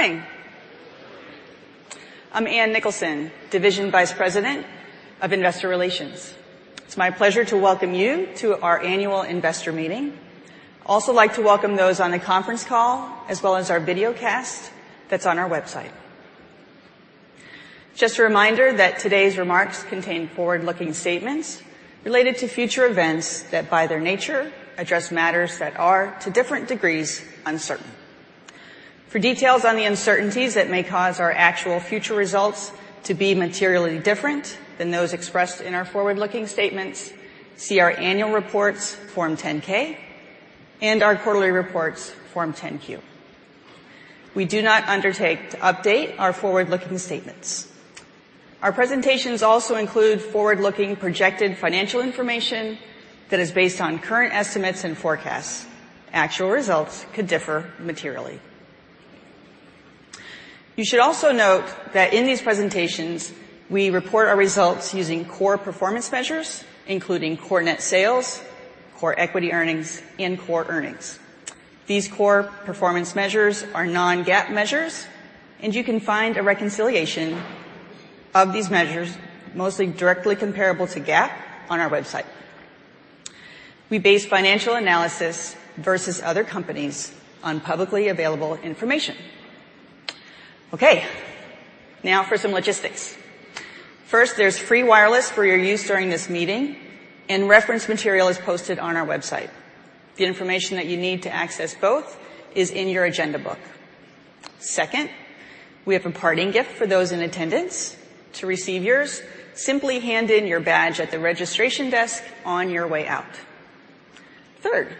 Morning. I'm Ann Nicholson, Division Vice President of Investor Relations. It's my pleasure to welcome you to our annual investor meeting. Also like to welcome those on the conference call, as well as our video cast that's on our website. Just a reminder that today's remarks contain forward-looking statements related to future events that, by their nature, address matters that are, to different degrees, uncertain. For details on the uncertainties that may cause our actual future results to be materially different than those expressed in our forward-looking statements, see our annual reports, Form 10-K, and our quarterly reports, Form 10-Q. We do not undertake to update our forward-looking statements. Our presentations also include forward-looking projected financial information that is based on current estimates and forecasts. Actual results could differ materially. You should also note that in these presentations, we report our results using core performance measures, including core net sales, core equity earnings and core earnings. These core performance measures are non-GAAP measures. You can find a reconciliation of these measures, mostly directly comparable to GAAP, on our website. We base financial analysis versus other companies on publicly available information. Okay, now for some logistics. First, there's free wireless for your use during this meeting. Reference material is posted on our website. The information that you need to access both is in your agenda book. Second, we have a parting gift for those in attendance. To receive yours, simply hand in your badge at the registration desk on your way out. Third,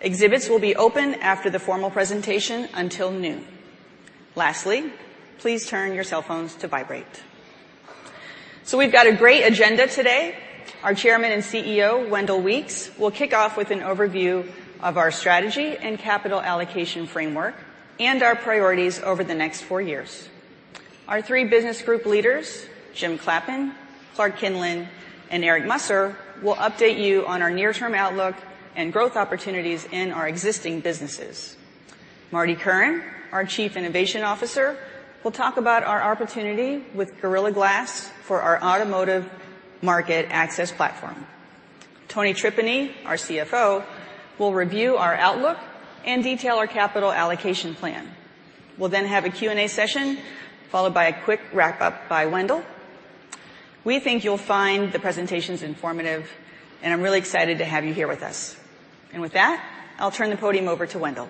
exhibits will be open after the formal presentation until noon. Lastly, please turn your cell phones to vibrate. We've got a great agenda today. Our Chairman and CEO, Wendell Weeks, will kick off with an overview of our strategy and capital allocation framework and our priorities over the next four years. Our three business group leaders, Jim Clappin, Clark Kinlin, and Eric Musser, will update you on our near-term outlook and growth opportunities in our existing businesses. Marty Curran, our Chief Innovation Officer, will talk about our opportunity with Gorilla Glass for our automotive market access platform. Tony Tripeny, our CFO, will review our outlook and detail our capital allocation plan. We'll then have a Q&A session, followed by a quick wrap-up by Wendell. We think you'll find the presentations informative. I'm really excited to have you here with us. With that, I'll turn the podium over to Wendell.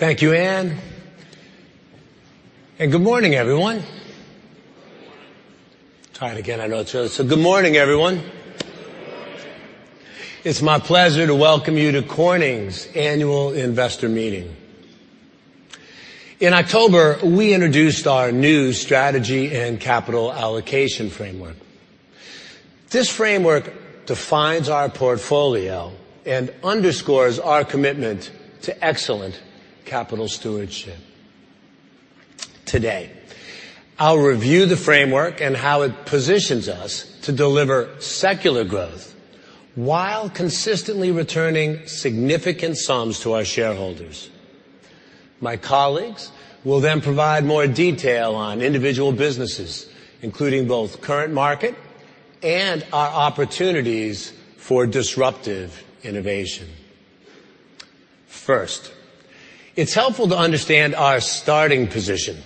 Thank you, Ann. Good morning, everyone. Good morning. Try it again. I know. Good morning, everyone. Good morning. It's my pleasure to welcome you to Corning's Annual Investor Meeting. In October, we introduced our new strategy and capital allocation framework. This framework defines our portfolio and underscores our commitment to excellent capital stewardship. Today, I'll review the framework and how it positions us to deliver secular growth while consistently returning significant sums to our shareholders. My colleagues will then provide more detail on individual businesses, including both current market and our opportunities for disruptive innovation. First, it's helpful to understand our starting position.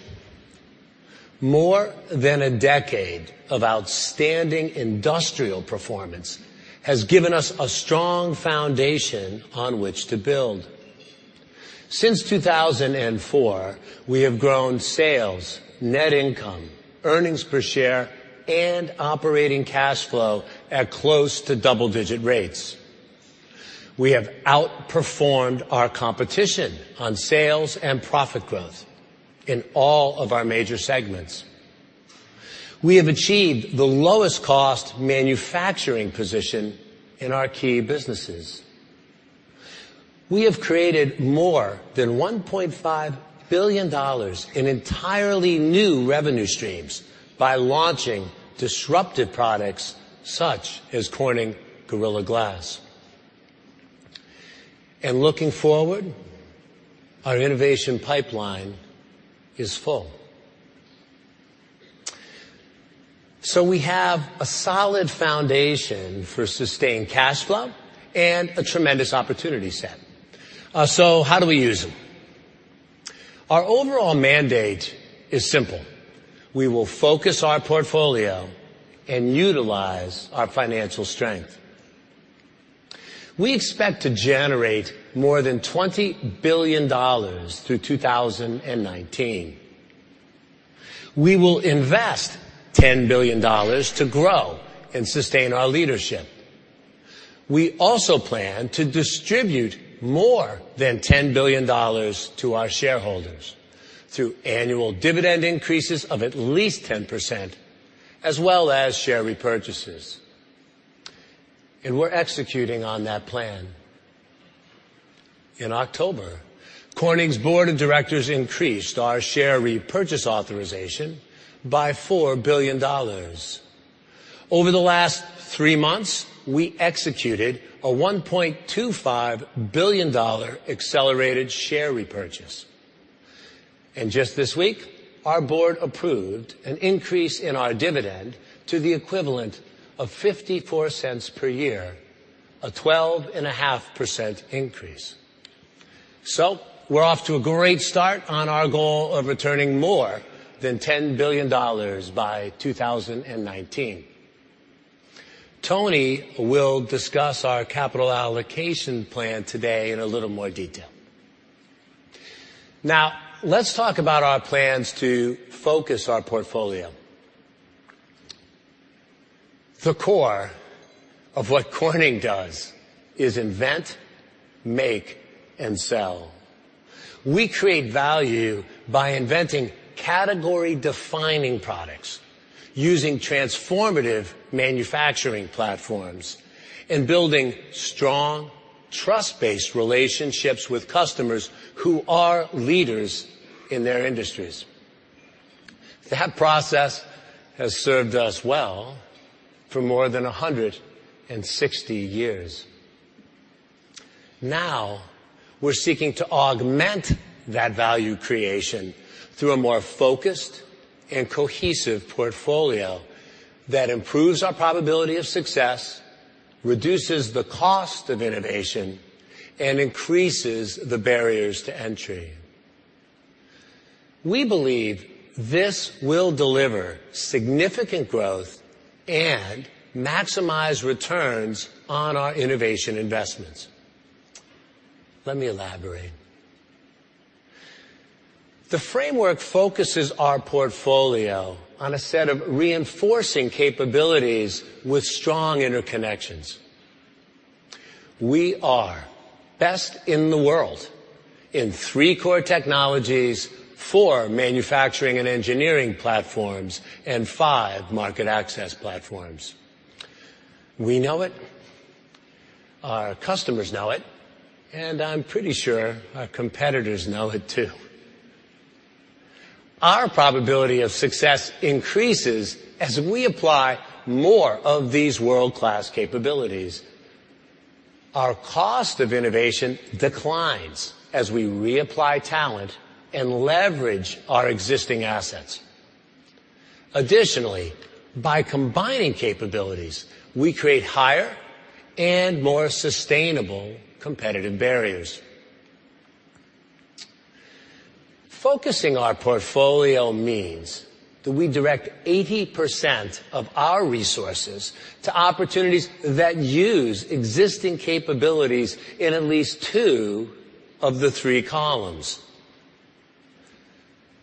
More than a decade of outstanding industrial performance has given us a strong foundation on which to build. Since 2004, we have grown sales, net income, earnings per share, and operating cash flow at close to double-digit rates. We have outperformed our competition on sales and profit growth in all of our major segments. We have achieved the lowest cost manufacturing position in our key businesses. We have created more than $1.5 billion in entirely new revenue streams by launching disruptive products such as Corning Gorilla Glass. Looking forward, our innovation pipeline is full. We have a solid foundation for sustained cash flow and a tremendous opportunity set. How do we use them? Our overall mandate is simple. We will focus our portfolio and utilize our financial strength. We expect to generate more than $20 billion through 2019. We will invest $10 billion to grow and sustain our leadership. We also plan to distribute more than $10 billion to our shareholders through annual dividend increases of at least 10%, as well as share repurchases. We're executing on that plan. In October, Corning's board of directors increased our share repurchase authorization by $4 billion. Over the last three months, we executed a $1.25 billion accelerated share repurchase. Just this week, our board approved an increase in our dividend to the equivalent of $0.54 per year, a 12.5% increase. We're off to a great start on our goal of returning more than $10 billion by 2019. Tony will discuss our capital allocation plan today in a little more detail. Let's talk about our plans to focus our portfolio. The core of what Corning does is invent, make, and sell. We create value by inventing category-defining products, using transformative manufacturing platforms, and building strong, trust-based relationships with customers who are leaders in their industries. That process has served us well for more than 160 years. We're seeking to augment that value creation through a more focused and cohesive portfolio that improves our probability of success, reduces the cost of innovation, and increases the barriers to entry. We believe this will deliver significant growth and maximize returns on our innovation investments. Let me elaborate. The framework focuses our portfolio on a set of reinforcing capabilities with strong interconnections. We are best in the world in three core technologies, four manufacturing and engineering platforms, and five market access platforms. We know it, our customers know it, and I'm pretty sure our competitors know it too. Our probability of success increases as we apply more of these world-class capabilities. Our cost of innovation declines as we reapply talent and leverage our existing assets. Additionally, by combining capabilities, we create higher and more sustainable competitive barriers. Focusing our portfolio means that we direct 80% of our resources to opportunities that use existing capabilities in at least two of the three columns.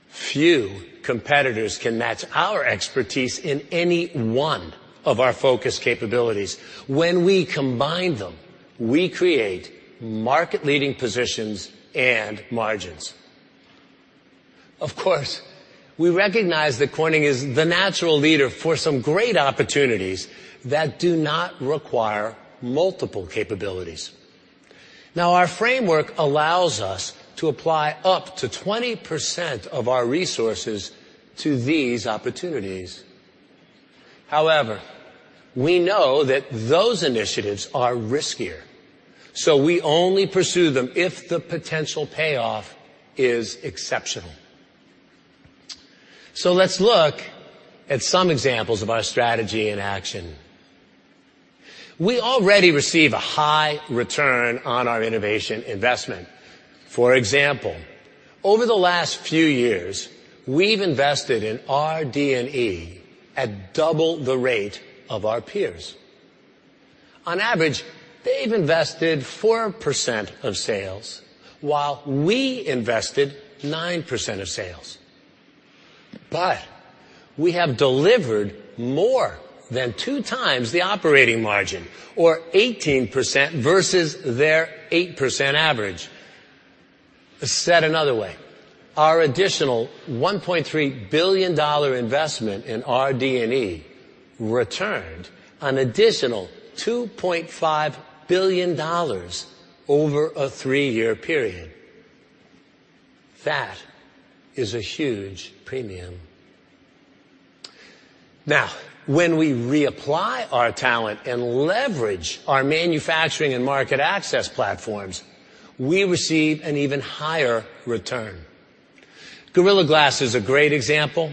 Few competitors can match our expertise in any one of our focus capabilities. When we combine them, we create market-leading positions and margins. Of course, we recognize that Corning is the natural leader for some great opportunities that do not require multiple capabilities. Our framework allows us to apply up to 20% of our resources to these opportunities. However, we know that those initiatives are riskier, so we only pursue them if the potential payoff is exceptional. Let's look at some examples of our strategy in action. We already receive a high return on our innovation investment. For example, over the last few years, we've invested in RD&E at double the rate of our peers. On average, they've invested 4% of sales, while we invested 9% of sales. We have delivered more than two times the operating margin, or 18% versus their 8% average. Said another way, our additional $1.3 billion investment in RD&E returned an additional $2.5 billion over a three-year period. That is a huge premium. When we reapply our talent and leverage our manufacturing and market access platforms, we receive an even higher return. Gorilla Glass is a great example.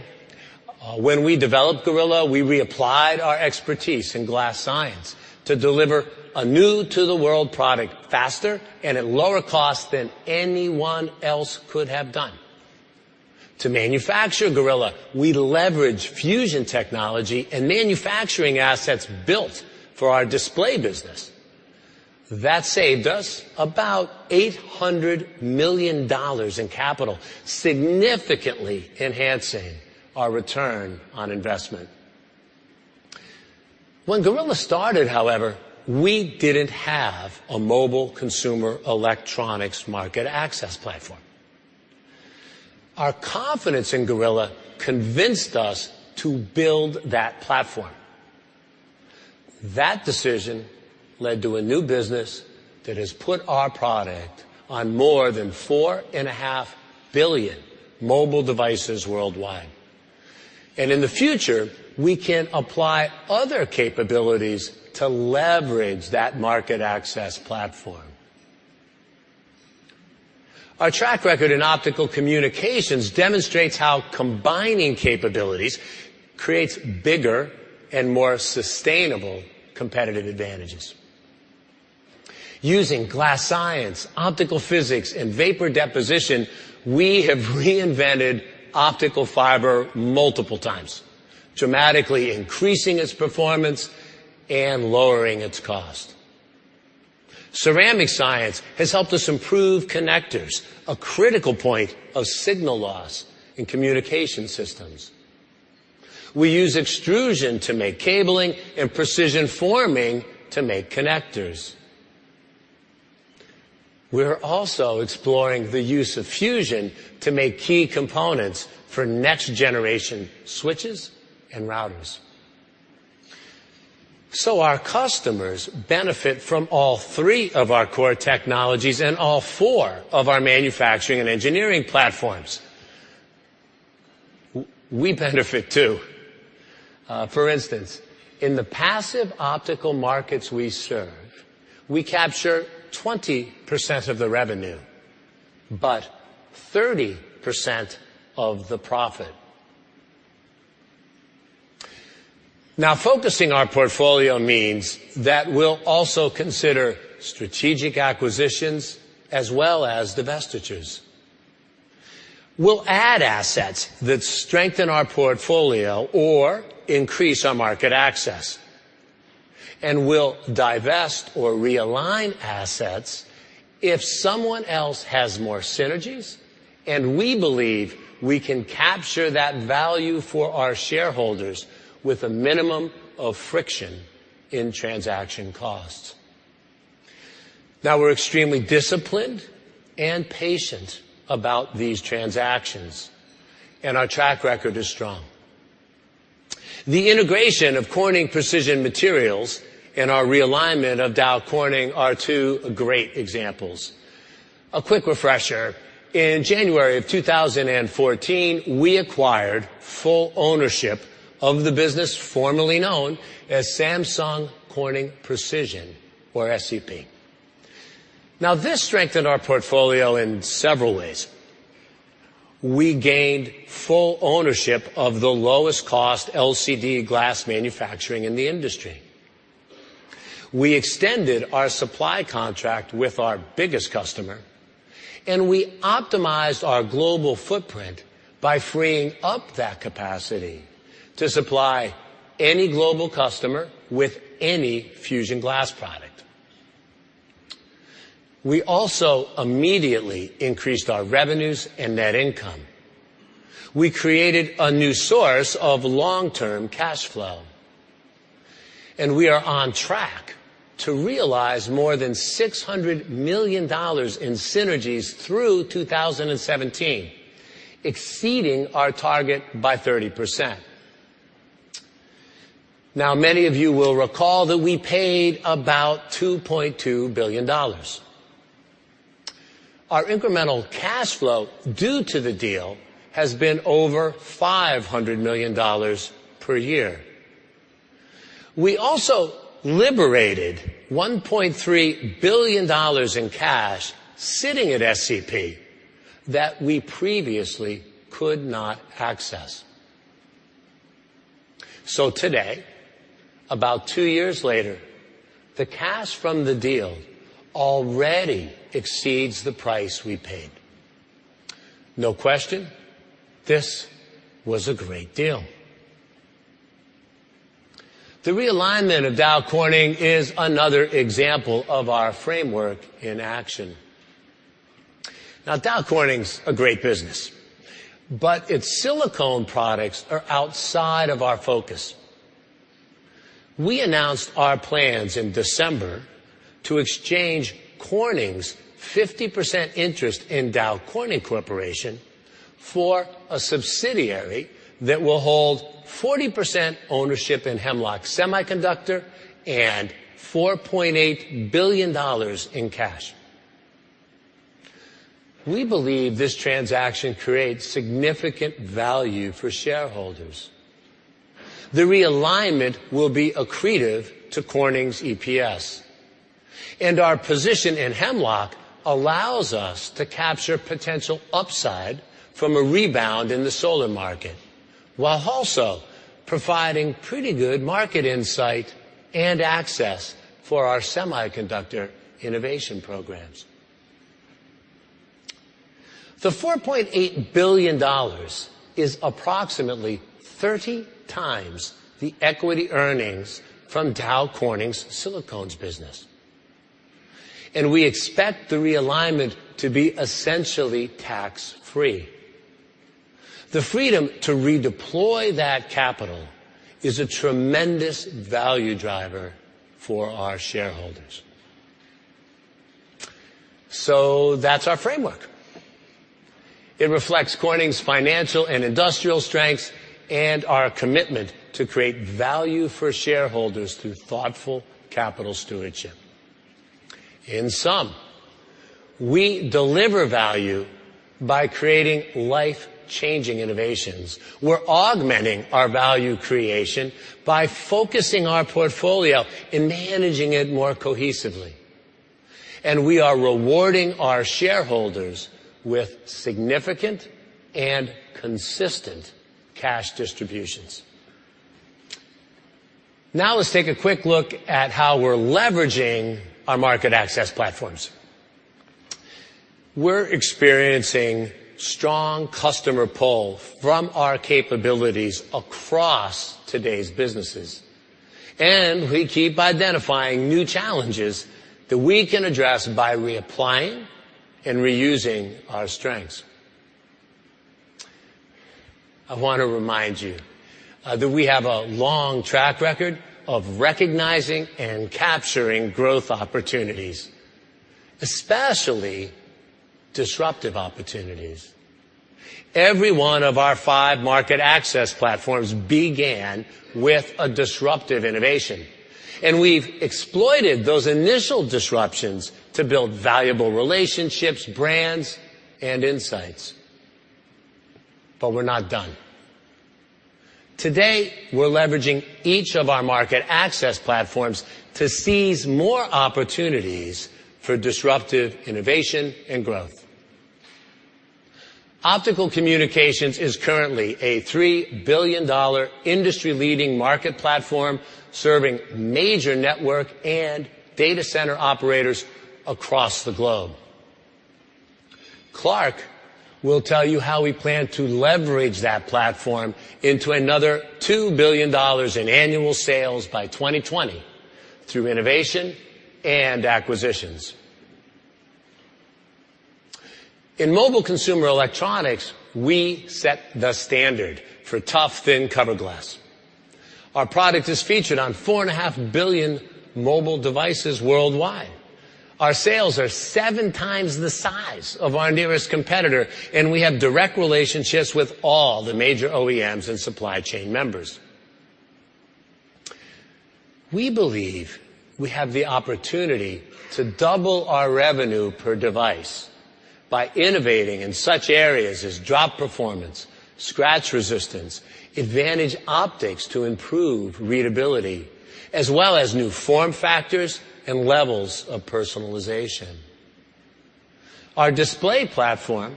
When we developed Gorilla, we reapplied our expertise in glass science to deliver a new-to-the-world product faster and at lower cost than anyone else could have done. To manufacture Gorilla, we leveraged fusion technology and manufacturing assets built for our display business. That saved us about $800 million in capital, significantly enhancing our return on investment. When Gorilla started, however, we didn't have a mobile consumer electronics market access platform. Our confidence in Gorilla convinced us to build that platform. That decision led to a new business that has put our product on more than 4.5 billion mobile devices worldwide. In the future, we can apply other capabilities to leverage that market access platform. Our track record in optical communications demonstrates how combining capabilities creates bigger and more sustainable competitive advantages. Using glass science, optical physics, and vapor deposition, we have reinvented optical fiber multiple times, dramatically increasing its performance and lowering its cost. Ceramic science has helped us improve connectors, a critical point of signal loss in communication systems. We use extrusion to make cabling and precision forming to make connectors. We're also exploring the use of fusion to make key components for next-generation switches and routers. Our customers benefit from all three of our core technologies and all four of our manufacturing and engineering platforms. We benefit, too. For instance, in the passive optical markets we serve, we capture 20% of the revenue but 30% of the profit. Focusing our portfolio means that we'll also consider strategic acquisitions as well as divestitures. We'll add assets that strengthen our portfolio or increase our market access, and we'll divest or realign assets if someone else has more synergies and we believe we can capture that value for our shareholders with a minimum of friction in transaction costs. We're extremely disciplined and patient about these transactions, and our track record is strong. The integration of Corning Precision Materials and our realignment of Dow Corning are two great examples. A quick refresher, in January of 2014, we acquired full ownership of the business formerly known as Samsung Corning Precision or SCP. This strengthened our portfolio in several ways. We gained full ownership of the lowest-cost LCD glass manufacturing in the industry. We extended our supply contract with our biggest customer, and we optimized our global footprint by freeing up that capacity to supply any global customer with any fusion glass product. We also immediately increased our revenues and net income. We created a new source of long-term cash flow. We are on track to realize more than $600 million in synergies through 2017, exceeding our target by 30%. Many of you will recall that we paid about $2.2 billion. Our incremental cash flow due to the deal has been over $500 million per year. We also liberated $1.3 billion in cash sitting at SCP that we previously could not access. Today, about two years later, the cash from the deal already exceeds the price we paid. No question, this was a great deal. The realignment of Dow Corning is another example of our framework in action. Dow Corning's a great business, but its silicone products are outside of our focus. We announced our plans in December to exchange Corning's 50% interest in Dow Corning Corporation for a subsidiary that will hold 40% ownership in Hemlock Semiconductor and $4.8 billion in cash. We believe this transaction creates significant value for shareholders. The realignment will be accretive to Corning's EPS, and our position in Hemlock allows us to capture potential upside from a rebound in the solar market, while also providing pretty good market insight and access for our semiconductor innovation programs. The $4.8 billion is approximately 30x the equity earnings from Dow Corning's silicones business. We expect the realignment to be essentially tax-free. The freedom to redeploy that capital is a tremendous value driver for our shareholders. That's our framework. It reflects Corning's financial and industrial strengths and our commitment to create value for shareholders through thoughtful capital stewardship. In sum, we deliver value by creating life-changing innovations. We're augmenting our value creation by focusing our portfolio and managing it more cohesively. We are rewarding our shareholders with significant and consistent cash distributions. Let's take a quick look at how we're leveraging our market access platforms. We're experiencing strong customer pull from our capabilities across today's businesses. We keep identifying new challenges that we can address by reapplying and reusing our strengths. I want to remind you that we have a long track record of recognizing and capturing growth opportunities, especially disruptive opportunities. Every one of our five market access platforms began with a disruptive innovation. We've exploited those initial disruptions to build valuable relationships, brands, and insights. We're not done. Today, we're leveraging each of our market access platforms to seize more opportunities for disruptive innovation and growth. Optical communications is currently a $3 billion industry-leading market platform serving major network and data center operators across the globe. Clark will tell you how we plan to leverage that platform into another $2 billion in annual sales by 2020 through innovation and acquisitions. In mobile consumer electronics, we set the standard for tough, thin cover glass. Our product is featured on 4.5 billion mobile devices worldwide. Our sales are 7x the size of our nearest competitor. We have direct relationships with all the major OEMs and supply chain members. We believe we have the opportunity to double our revenue per device by innovating in such areas as drop performance, scratch resistance, advantage optics to improve readability, as well as new form factors and levels of personalization. Our display platform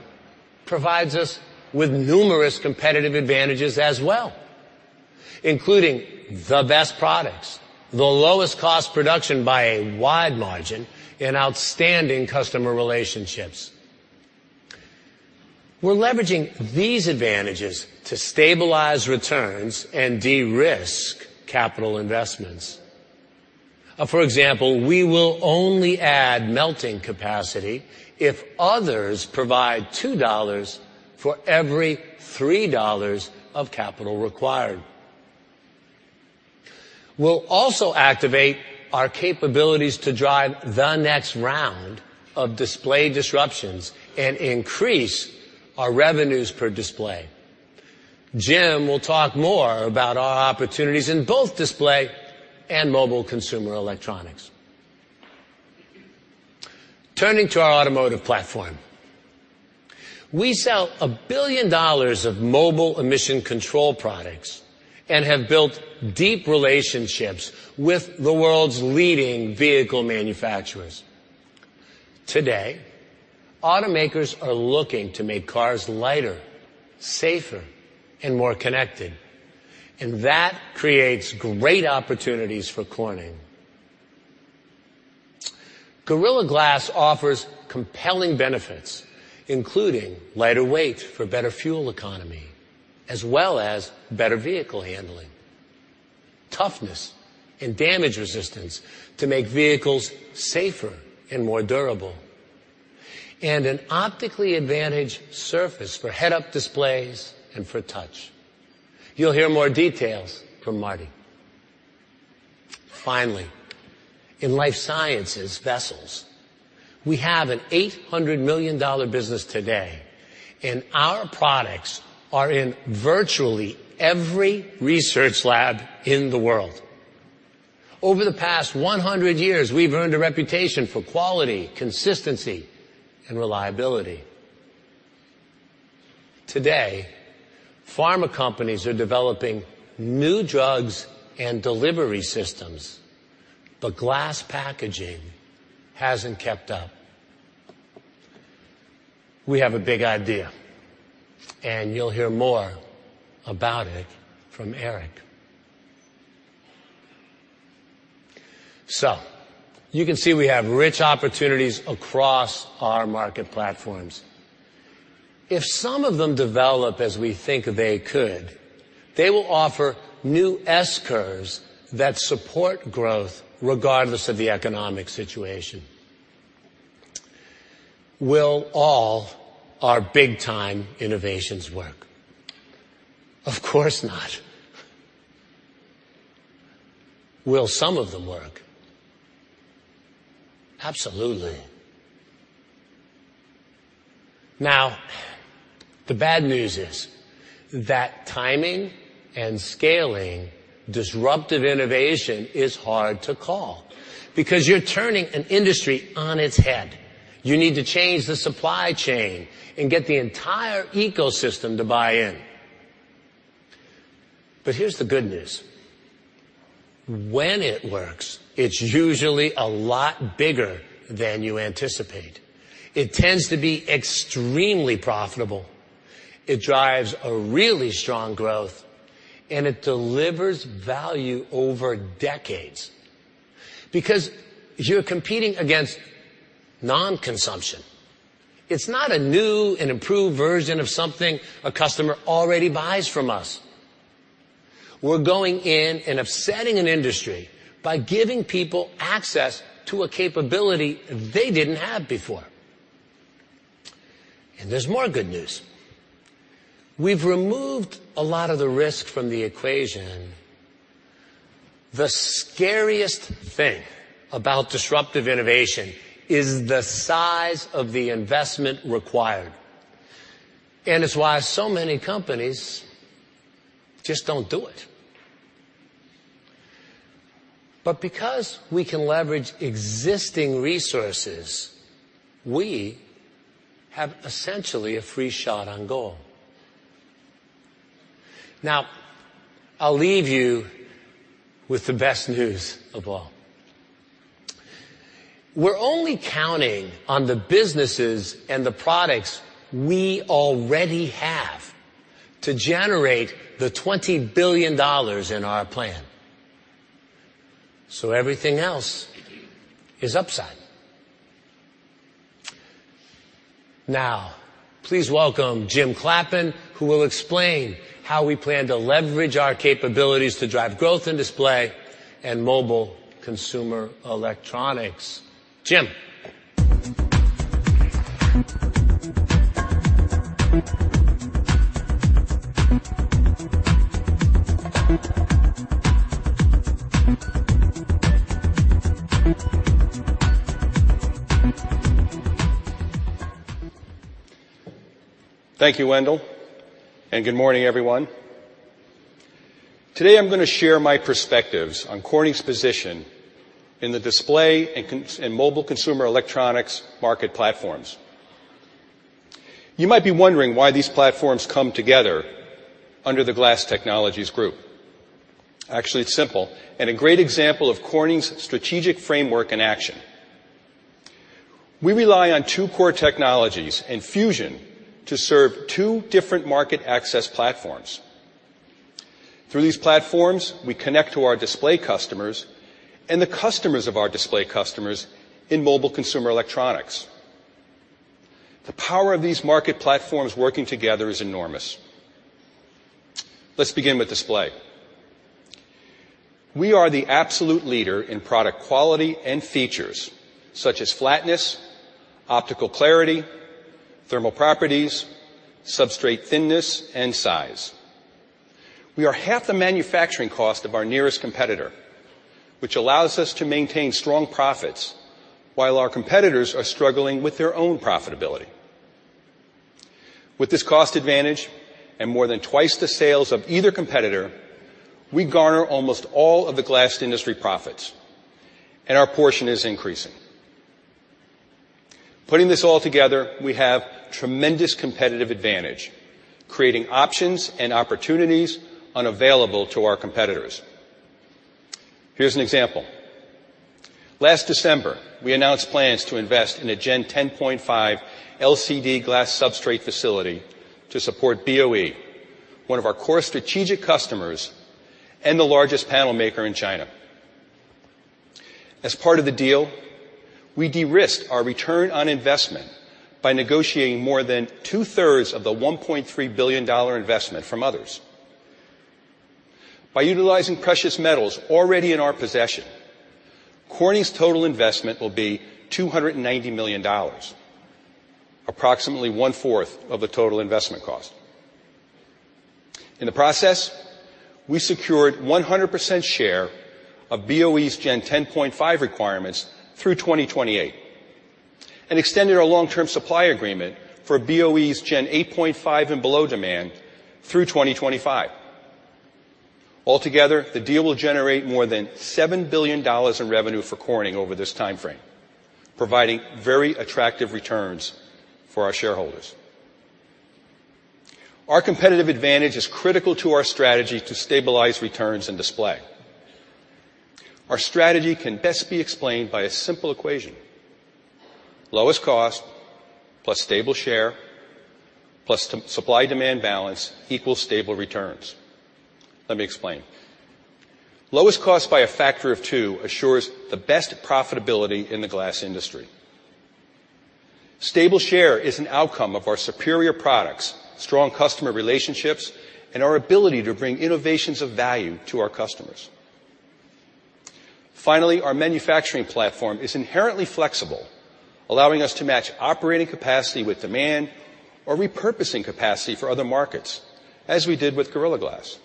provides us with numerous competitive advantages as well, including the best products, the lowest cost production by a wide margin, and outstanding customer relationships. We're leveraging these advantages to stabilize returns and de-risk capital investments. For example, we will only add melting capacity if others provide $2 for every $3 of capital required. We'll also activate our capabilities to drive the next round of display disruptions and increase our revenues per display. Jim will talk more about our opportunities in both display and mobile consumer electronics. Turning to our automotive platform, we sell $1 billion of mobile emission control products and have built deep relationships with the world's leading vehicle manufacturers. Today, automakers are looking to make cars lighter, safer, and more connected. That creates great opportunities for Corning. Gorilla Glass offers compelling benefits, including lighter weight for better fuel economy, as well as better vehicle handling, toughness, and damage resistance to make vehicles safer and more durable, and an optically advantaged surface for head-up displays and for touch. You'll hear more details from Marty. Finally, in life sciences vessels, we have an $800 million business today, and our products are in virtually every research lab in the world. Over the past 100 years, we've earned a reputation for quality, consistency, and reliability. Today, pharma companies are developing new drugs and delivery systems. Glass packaging hasn't kept up. We have a big idea, and you'll hear more about it from Eric. You can see we have rich opportunities across our market platforms. If some of them develop as we think they could, they will offer new S-curves that support growth regardless of the economic situation. Will all our big-time innovations work? Of course not. Will some of them work? Absolutely. The bad news is that timing and scaling disruptive innovation is hard to call because you're turning an industry on its head. You need to change the supply chain and get the entire ecosystem to buy in. Here's the good news. When it works, it's usually a lot bigger than you anticipate. It tends to be extremely profitable. It drives a really strong growth, and it delivers value over decades because you're competing against non-consumption. It's not a new and improved version of something a customer already buys from us. We're going in and upsetting an industry by giving people access to a capability they didn't have before. There's more good news. We've removed a lot of the risk from the equation. The scariest thing about disruptive innovation is the size of the investment required, and it's why so many companies just don't do it. Because we can leverage existing resources, we have essentially a free shot on goal. I'll leave you with the best news of all. We're only counting on the businesses and the products we already have to generate the $20 billion in our plan. Everything else is upside. Please welcome Jim Clappin, who will explain how we plan to leverage our capabilities to drive growth in display and mobile consumer electronics. Jim. Thank you, Wendell, and good morning, everyone. Today, I am going to share my perspectives on Corning's position in the display and mobile consumer electronics market platforms. You might be wondering why these platforms come together under the Glass Technologies Group. Actually, it is simple and a great example of Corning's strategic framework in action. We rely on two core technologies and fusion to serve two different market access platforms. Through these platforms, we connect to our display customers and the customers of our display customers in mobile consumer electronics. The power of these market platforms working together is enormous. Let's begin with display. We are the absolute leader in product quality and features such as flatness, optical clarity, thermal properties, substrate thinness, and size. We are half the manufacturing cost of our nearest competitor, which allows us to maintain strong profits while our competitors are struggling with their own profitability. With this cost advantage and more than twice the sales of either competitor, we garner almost all of the glass industry profits. Our portion is increasing. Putting this all together, we have tremendous competitive advantage, creating options and opportunities unavailable to our competitors. Here is an example. Last December, we announced plans to invest in a Gen 10.5 LCD glass substrate facility to support BOE, one of our core strategic customers and the largest panel maker in China. As part of the deal, we de-risked our return on investment by negotiating more than two-thirds of the $1.3 billion investment from others. By utilizing precious metals already in our possession, Corning's total investment will be $290 million, approximately one-fourth of the total investment cost. In the process, we secured 100% share of BOE's Gen 10.5 requirements through 2028 and extended our long-term supply agreement for BOE's Gen 8.5 and below demand through 2025. Altogether, the deal will generate more than $7 billion in revenue for Corning over this timeframe, providing very attractive returns for our shareholders. Our competitive advantage is critical to our strategy to stabilize returns and display. Our strategy can best be explained by a simple equation. Lowest cost plus stable share plus supply-demand balance equals stable returns. Let me explain. Lowest cost by a factor of two assures the best profitability in the glass industry. Stable share is an outcome of our superior products, strong customer relationships, and our ability to bring innovations of value to our customers. Finally, our manufacturing platform is inherently flexible, allowing us to match operating capacity with demand or repurposing capacity for other markets, as we did with Gorilla Glass.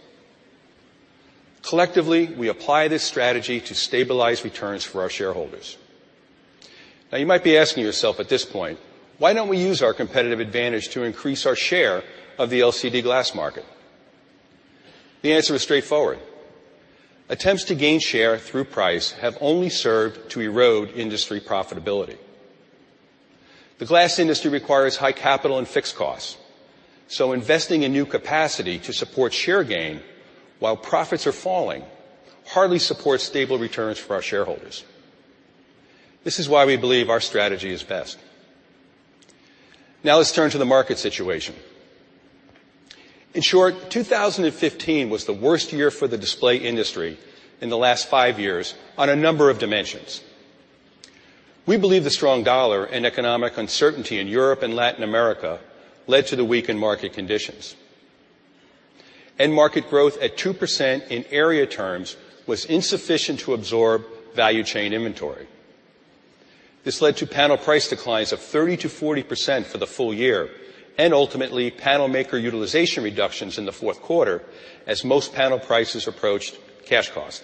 Collectively, we apply this strategy to stabilize returns for our shareholders. You might be asking yourself at this point, why don't we use our competitive advantage to increase our share of the LCD glass market? The answer is straightforward. Attempts to gain share through price have only served to erode industry profitability. The glass industry requires high capital and fixed costs, investing in new capacity to support share gain while profits are falling hardly supports stable returns for our shareholders. This is why we believe our strategy is best. Let's turn to the market situation. In short, 2015 was the worst year for the display industry in the last five years on a number of dimensions. We believe the strong dollar and economic uncertainty in Europe and Latin America led to the weakened market conditions. End market growth at 2% in area terms was insufficient to absorb value chain inventory. This led to panel price declines of 30%-40% for the full year and ultimately panel maker utilization reductions in the fourth quarter as most panel prices approached cash cost.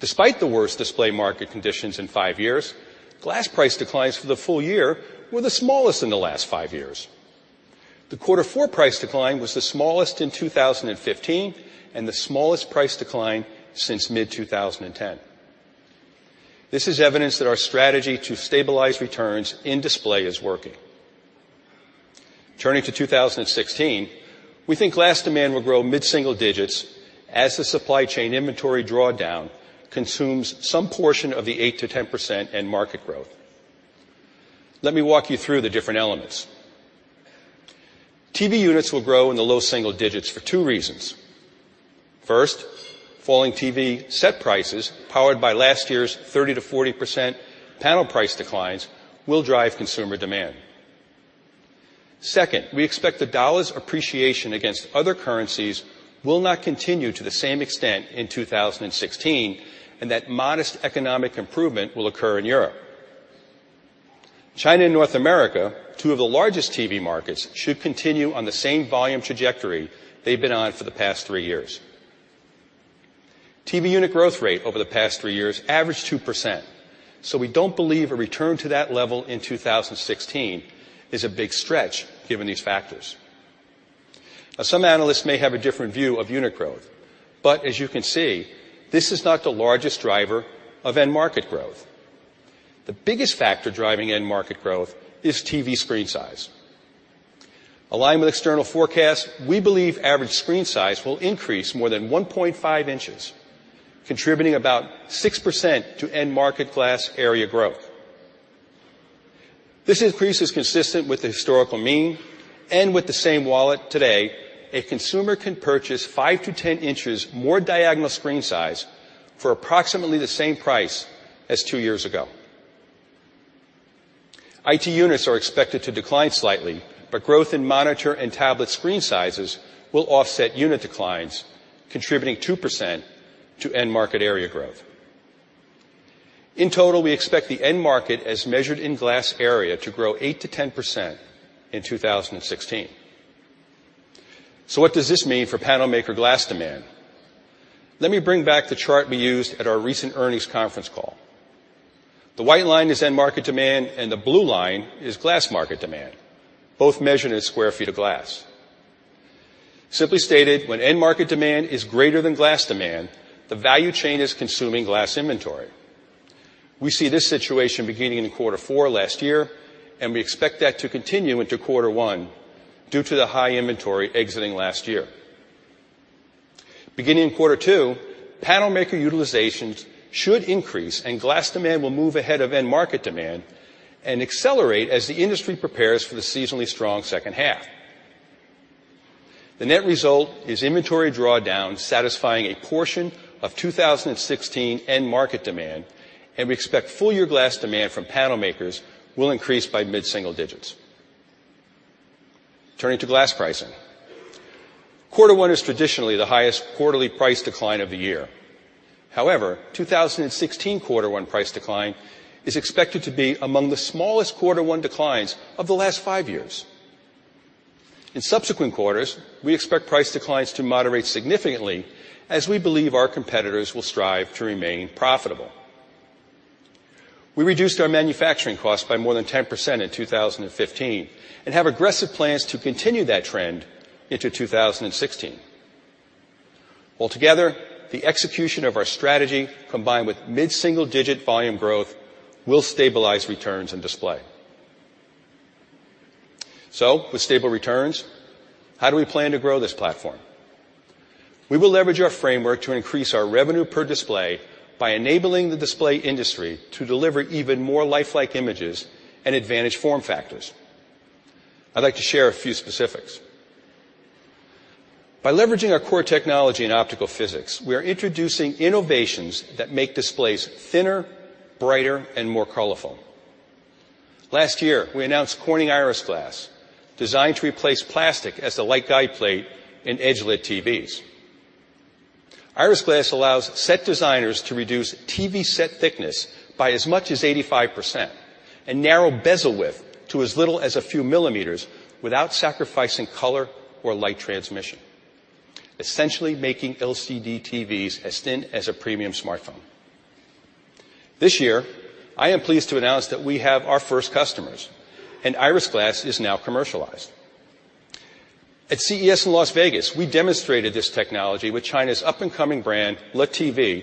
Despite the worst display market conditions in 5 years, glass price declines for the full year were the smallest in the last 5 years. The quarter four price decline was the smallest in 2015 and the smallest price decline since mid-2010. This is evidence that our strategy to stabilize returns in display is working. Turning to 2016, we think glass demand will grow mid-single digits as the supply chain inventory drawdown consumes some portion of the 8%-10% end market growth. Let me walk you through the different elements. TV units will grow in the low single digits for two reasons. First, falling TV set prices, powered by last year's 30%-40% panel price declines, will drive consumer demand. Second, we expect the dollar's appreciation against other currencies will not continue to the same extent in 2016, and that modest economic improvement will occur in Europe. China and North America, two of the largest TV markets, should continue on the same volume trajectory they've been on for the past 3 years. TV unit growth rate over the past 3 years averaged 2%, so we don't believe a return to that level in 2016 is a big stretch given these factors. Some analysts may have a different view of unit growth, but as you can see, this is not the largest driver of end market growth. The biggest factor driving end market growth is TV screen size. Aligned with external forecasts, we believe average screen size will increase more than 1.5 inches, contributing about 6% to end market glass area growth. This increase is consistent with the historical mean and with the same wallet today, a consumer can purchase 5-10 inches more diagonal screen size for approximately the same price as 2 years ago. IT units are expected to decline slightly, but growth in monitor and tablet screen sizes will offset unit declines, contributing 2% to end market area growth. In total, we expect the end market, as measured in glass area, to grow 8%-10% in 2016. What does this mean for panel maker glass demand? Let me bring back the chart we used at our recent earnings conference call. The white line is end market demand, and the blue line is glass market demand, both measured in square feet of glass. Simply stated, when end market demand is greater than glass demand, the value chain is consuming glass inventory. We see this situation beginning in quarter four last year, and we expect that to continue into quarter one due to the high inventory exiting last year. Beginning in quarter two, panel maker utilizations should increase, and glass demand will move ahead of end market demand and accelerate as the industry prepares for the seasonally strong second half. The net result is inventory drawdown satisfying a portion of 2016 end market demand, and we expect full-year glass demand from panel makers will increase by mid-single digits. Turning to glass pricing. Quarter one is traditionally the highest quarterly price decline of the year. However, 2016 quarter one price decline is expected to be among the smallest quarter one declines of the last five years. In subsequent quarters, we expect price declines to moderate significantly as we believe our competitors will strive to remain profitable. We reduced our manufacturing cost by more than 10% in 2015 and have aggressive plans to continue that trend into 2016. Altogether, the execution of our strategy, combined with mid-single-digit volume growth, will stabilize returns in display. With stable returns, how do we plan to grow this platform? We will leverage our framework to increase our revenue per display by enabling the display industry to deliver even more lifelike images and advantage form factors. I'd like to share a few specifics. By leveraging our core technology and optical physics, we are introducing innovations that make displays thinner, brighter, and more colorful. Last year, we announced Corning Iris Glass, designed to replace plastic as the light guide plate in edge-lit TVs. Iris Glass allows set designers to reduce TV set thickness by as much as 85% and narrow bezel width to as little as a few millimeters without sacrificing color or light transmission, essentially making LCD TVs as thin as a premium smartphone. This year, I am pleased to announce that we have our first customers, and Iris Glass is now commercialized. At CES in Las Vegas, we demonstrated this technology with China's up-and-coming brand, LeTV,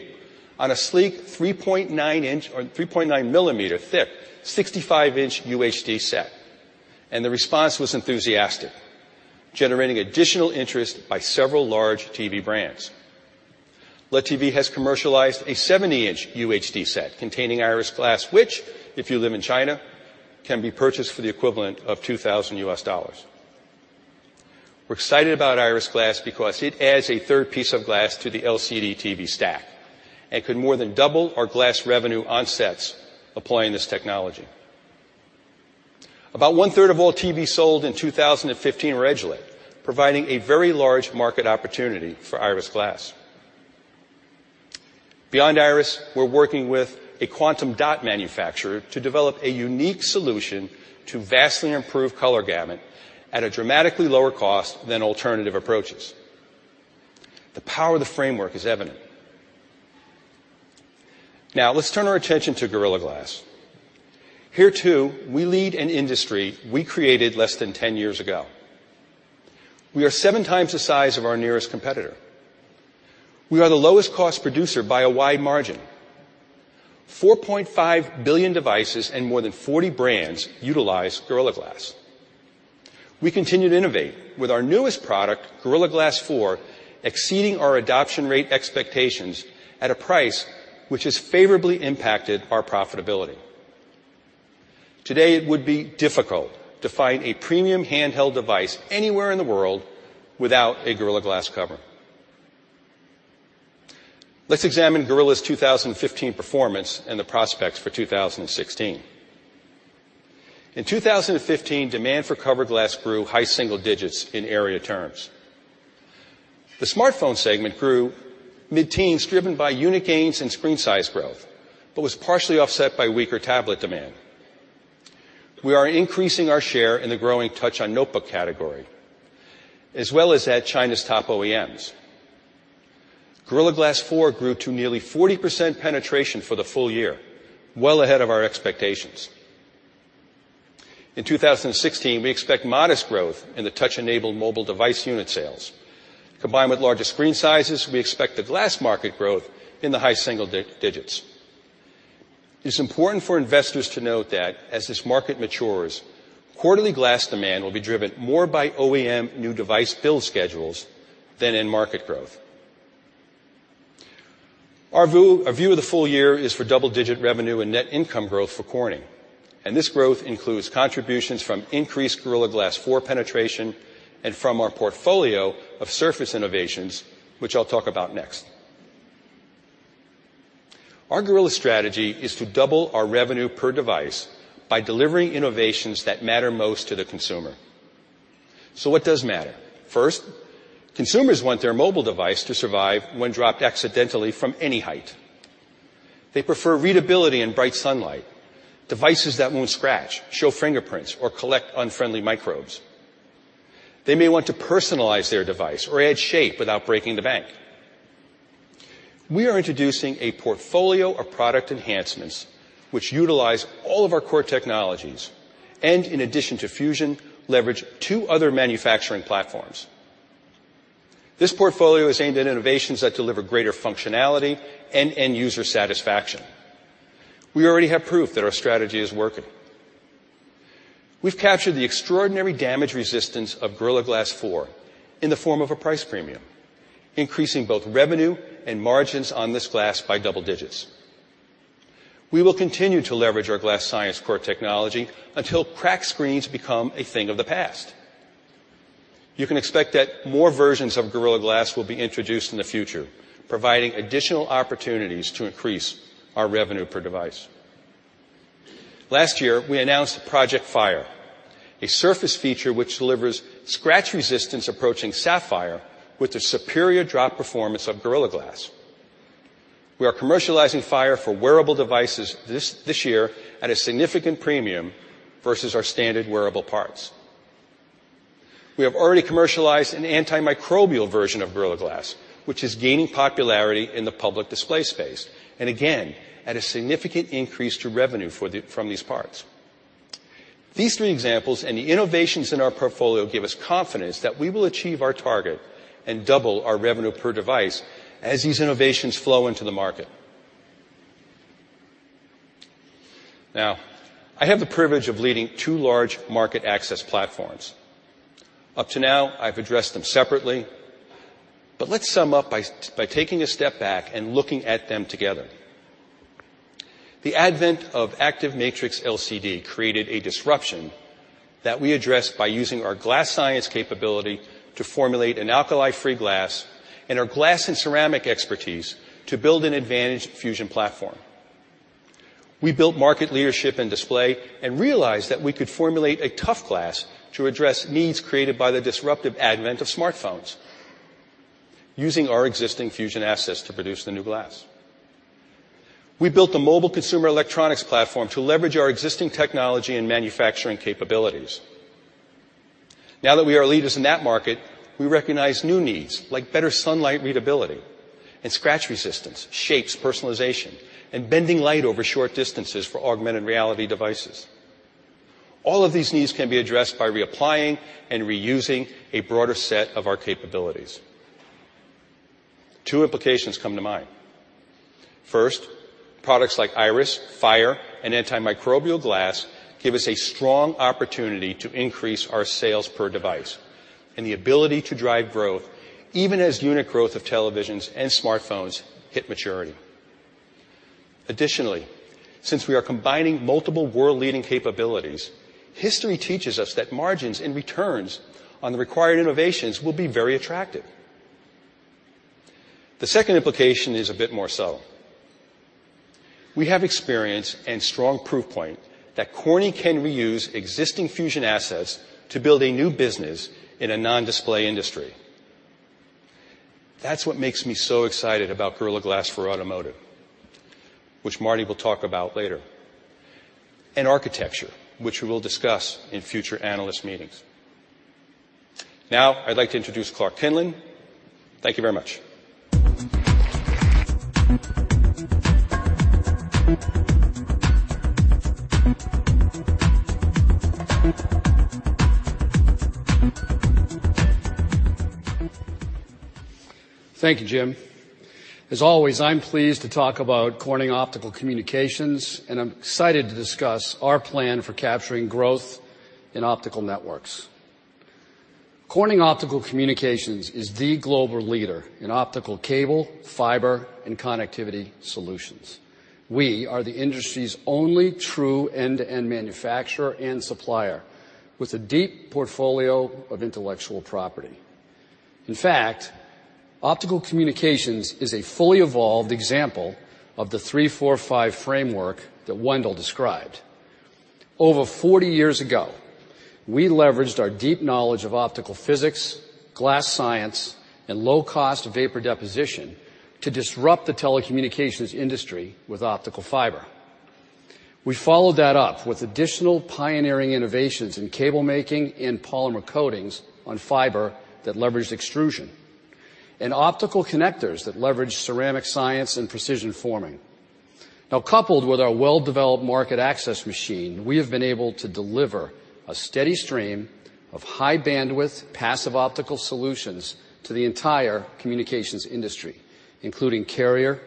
on a sleek 3.9-millimeter thick, 65-inch UHD set, and the response was enthusiastic, generating additional interest by several large TV brands. LeTV has commercialized a 70-inch UHD set containing Iris Glass, which, if you live in China, can be purchased for the equivalent of $2,000. We're excited about Iris Glass because it adds a third piece of glass to the LCD TV stack and could more than double our glass revenue on sets applying this technology. About 1/3 of all TVs sold in 2015 were edge-lit, providing a very large market opportunity for Iris Glass. Beyond Iris, we're working with a quantum dot manufacturer to develop a unique solution to vastly improve color gamut at a dramatically lower cost than alternative approaches. The power of the framework is evident. Let's turn our attention to Gorilla Glass. Here too, we lead an industry we created less than 10 years ago. We are seven times the size of our nearest competitor. We are the lowest cost producer by a wide margin. 4.5 billion devices and more than 40 brands utilize Gorilla Glass. We continue to innovate with our newest product, Gorilla Glass 4, exceeding our adoption rate expectations at a price which has favorably impacted our profitability. Today, it would be difficult to find a premium handheld device anywhere in the world without a Gorilla Glass cover. Let's examine Gorilla's 2015 performance and the prospects for 2016. In 2015, demand for cover glass grew high single digits in area terms. The smartphone segment grew mid-teens driven by unit gains and screen size growth, but was partially offset by weaker tablet demand. We are increasing our share in the growing touch on notebook category, as well as at China's top OEMs. Gorilla Glass 4 grew to nearly 40% penetration for the full year, well ahead of our expectations. In 2016, we expect modest growth in the touch-enabled mobile device unit sales. Combined with larger screen sizes, we expect the glass market growth in the high single digits. It's important for investors to note that as this market matures, quarterly glass demand will be driven more by OEM new device build schedules than in market growth. Our view of the full year is for double-digit revenue and net income growth for Corning, and this growth includes contributions from increased Gorilla Glass 4 penetration and from our portfolio of surface innovations, which I'll talk about next. Our Gorilla strategy is to double our revenue per device by delivering innovations that matter most to the consumer. What does matter? First, consumers want their mobile device to survive when dropped accidentally from any height. They prefer readability in bright sunlight, devices that won't scratch, show fingerprints, or collect unfriendly microbes. They may want to personalize their device or add shape without breaking the bank. We are introducing a portfolio of product enhancements which utilize all of our core technologies and in addition to fusion, leverage two other manufacturing platforms. This portfolio is aimed at innovations that deliver greater functionality and end-user satisfaction. We already have proof that our strategy is working. We've captured the extraordinary damage resistance of Gorilla Glass 4 in the form of a price premium, increasing both revenue and margins on this glass by double digits. We will continue to leverage our glass science core technology until cracked screens become a thing of the past. You can expect that more versions of Gorilla Glass will be introduced in the future, providing additional opportunities to increase our revenue per device. Last year, we announced Project Phire, a surface feature which delivers scratch resistance approaching Sapphire with the superior drop performance of Gorilla Glass. We are commercializing Phire for wearable devices this year at a significant premium versus our standard wearable parts. We have already commercialized an antimicrobial version of Gorilla Glass, which is gaining popularity in the public display space, and again, at a significant increase to revenue from these parts. These three examples and the innovations in our portfolio give us confidence that we will achieve our target and double our revenue per device as these innovations flow into the market. I have the privilege of leading two large market access platforms. Up to now, I've addressed them separately, but let's sum up by taking a step back and looking at them together. The advent of active matrix LCD created a disruption we address by using our glass science capability to formulate an alkali-free glass and our glass and ceramic expertise to build an advantage fusion platform. We built market leadership in display and realized that we could formulate a tough glass to address needs created by the disruptive advent of smartphones using our existing fusion assets to produce the new glass. We built the mobile consumer electronics platform to leverage our existing technology and manufacturing capabilities. Now that we are leaders in that market, we recognize new needs like better sunlight readability and scratch resistance, shapes, personalization, and bending light over short distances for augmented reality devices. All of these needs can be addressed by reapplying and reusing a broader set of our capabilities. Two implications come to mind. First, products like Iris, Phire, and antimicrobial glass give us a strong opportunity to increase our sales per device and the ability to drive growth even as unit growth of televisions and smartphones hit maturity. Additionally, since we are combining multiple world-leading capabilities, history teaches us that margins and returns on the required innovations will be very attractive. The second implication is a bit more subtle. We have experience and strong proof point that Corning can reuse existing fusion assets to build a new business in a non-display industry. That's what makes me so excited about Gorilla Glass for automotive, which Marty will talk about later, and architecture, which we will discuss in future analyst meetings. Now I'd like to introduce Clark Kinlin. Thank you very much. Thank you, Jim. As always, I'm pleased to talk about Corning Optical Communications, and I'm excited to discuss our plan for capturing growth in optical networks. Corning Optical Communications is the global leader in optical cable, fiber, and connectivity solutions. We are the industry's only true end-to-end manufacturer and supplier with a deep portfolio of intellectual property. In fact, Optical Communications is a fully evolved example of the three, four, five framework that Wendell described. Over 40 years ago, we leveraged our deep knowledge of optical physics, glass science, and low-cost vapor deposition to disrupt the telecommunications industry with optical fiber. We followed that up with additional pioneering innovations in cable making and polymer coatings on fiber that leveraged extrusion, and optical connectors that leveraged ceramic science and precision forming. Coupled with our well-developed market access machine, we have been able to deliver a steady stream of high bandwidth, passive optical solutions to the entire communications industry, including carrier,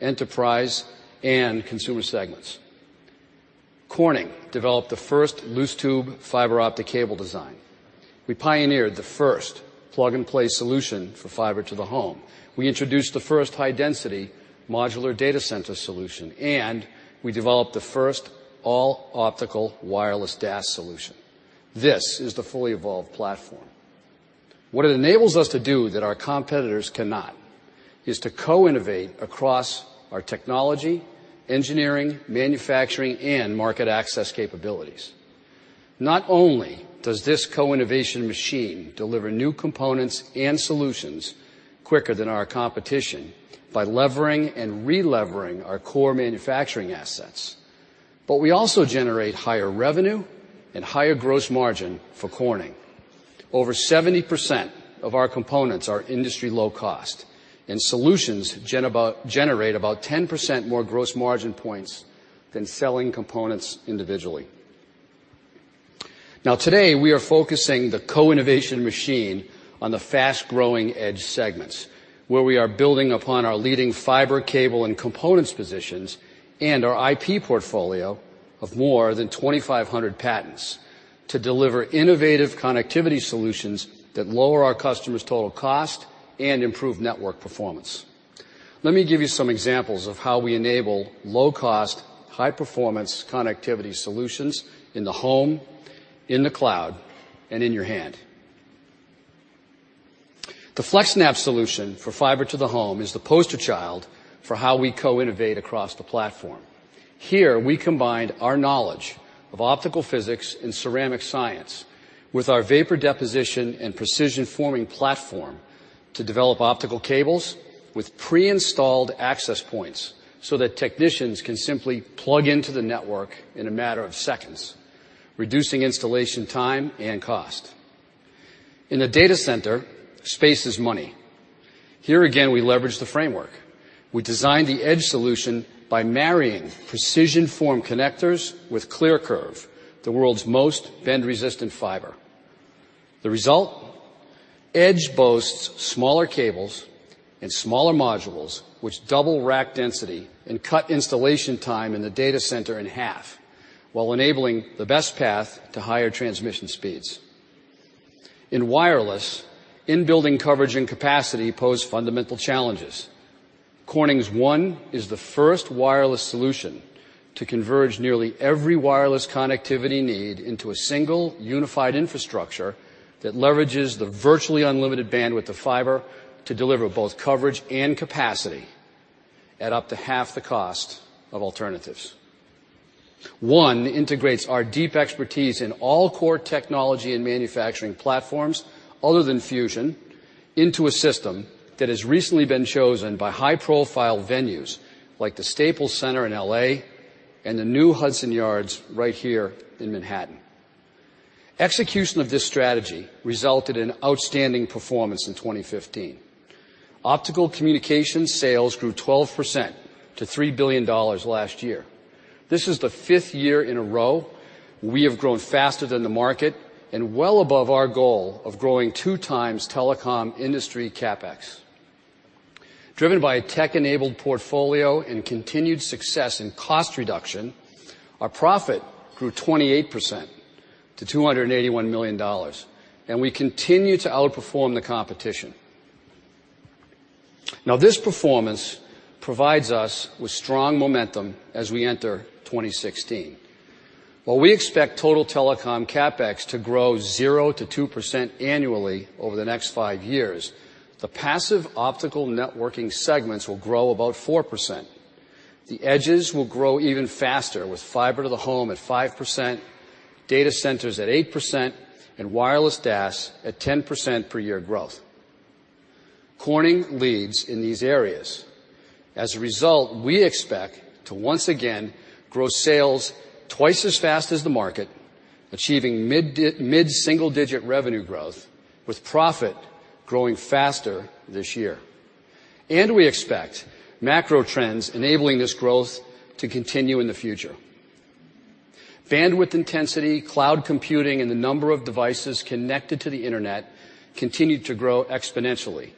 enterprise, and consumer segments. Corning developed the first loose-tube fiber-optic cable design. We pioneered the first plug-and-play solution for fiber to the home. We introduced the first high-density modular data center solution, and we developed the first all-optical wireless DAS solution. This is the fully evolved platform. What it enables us to do that our competitors cannot is to co-innovate across our technology, engineering, manufacturing, and market access capabilities. Not only does this co-innovation machine deliver new components and solutions quicker than our competition by levering and relevering our core manufacturing assets, we also generate higher revenue and higher gross margin for Corning. Over 70% of our components are industry low cost and solutions generate about 10% more gross margin points than selling components individually. Today, we are focusing the co-innovation machine on the fast-growing edge segments where we are building upon our leading fiber cable and components positions and our IP portfolio of more than 2,500 patents to deliver innovative connectivity solutions that lower our customers' total cost and improve network performance. Let me give you some examples of how we enable low-cost, high-performance connectivity solutions in the home, in the cloud, and in your hand. The FlexNAP solution for fiber to the home is the poster child for how we co-innovate across the platform. Here, we combined our knowledge of optical physics and ceramic science with our vapor deposition and precision forming platform to develop optical cables with pre-installed access points so that technicians can simply plug into the network in a matter of seconds, reducing installation time and cost. In the data center, space is money. Here again, we leverage the framework. We designed the EDGE solution by marrying precision form connectors with ClearCurve, the world's most bend-resistant fiber. The result, EDGE boasts smaller cables and smaller modules, which double rack density and cut installation time in the data center in half while enabling the best path to higher transmission speeds. In wireless, in-building coverage and capacity pose fundamental challenges. Corning's ONE is the first wireless solution to converge nearly every wireless connectivity need into a single unified infrastructure that leverages the virtually unlimited bandwidth of fiber to deliver both coverage and capacity at up to half the cost of alternatives. ONE integrates our deep expertise in all core technology and manufacturing platforms other than fusion into a system that has recently been chosen by high-profile venues like the Staples Center in L.A. and the new Hudson Yards right here in Manhattan. Execution of this strategy resulted in outstanding performance in 2015. Optical Communications sales grew 12% to $3 billion last year. This is the fifth year in a row we have grown faster than the market and well above our goal of growing two times telecom industry CapEx. Driven by a tech-enabled portfolio and continued success in cost reduction, our profit grew 28% to $281 million, and we continue to outperform the competition. This performance provides us with strong momentum as we enter 2016. While we expect total telecom CapEx to grow 0-2% annually over the next five years, the passive optical networking segments will grow about 4%. The edges will grow even faster, with fiber to the home at 5%, data centers at 8%, and wireless DAS at 10% per year growth. Corning leads in these areas. We expect to once again grow sales twice as fast as the market, achieving mid-single-digit revenue growth, with profit growing faster this year. We expect macro trends enabling this growth to continue in the future. Bandwidth intensity, cloud computing, and the number of devices connected to the internet continue to grow exponentially.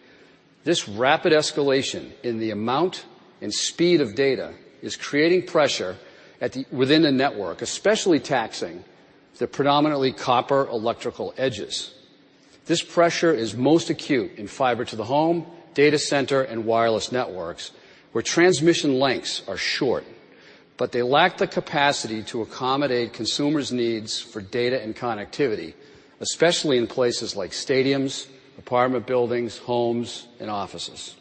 This rapid escalation in the amount and speed of data is creating pressure within the network, especially taxing the predominantly copper electrical edges. This pressure is most acute in fiber to the home, data center, and wireless networks, where transmission lengths are short, but they lack the capacity to accommodate consumers' needs for data and connectivity, especially in places like stadiums, apartment buildings, homes, and offices.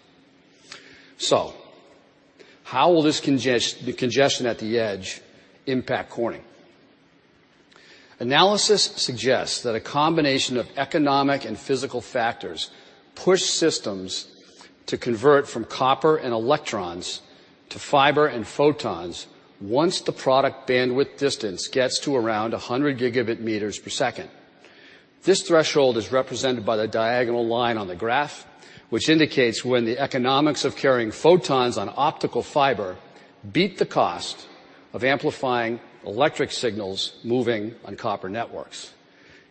How will this congestion at the edge impact Corning? Analysis suggests that a combination of economic and physical factors push systems to convert from copper and electrons to fiber and photons once the product bandwidth distance gets to around 100 gigabit meters per second. This threshold is represented by the diagonal line on the graph, which indicates when the economics of carrying photons on optical fiber beat the cost of amplifying electric signals moving on copper networks.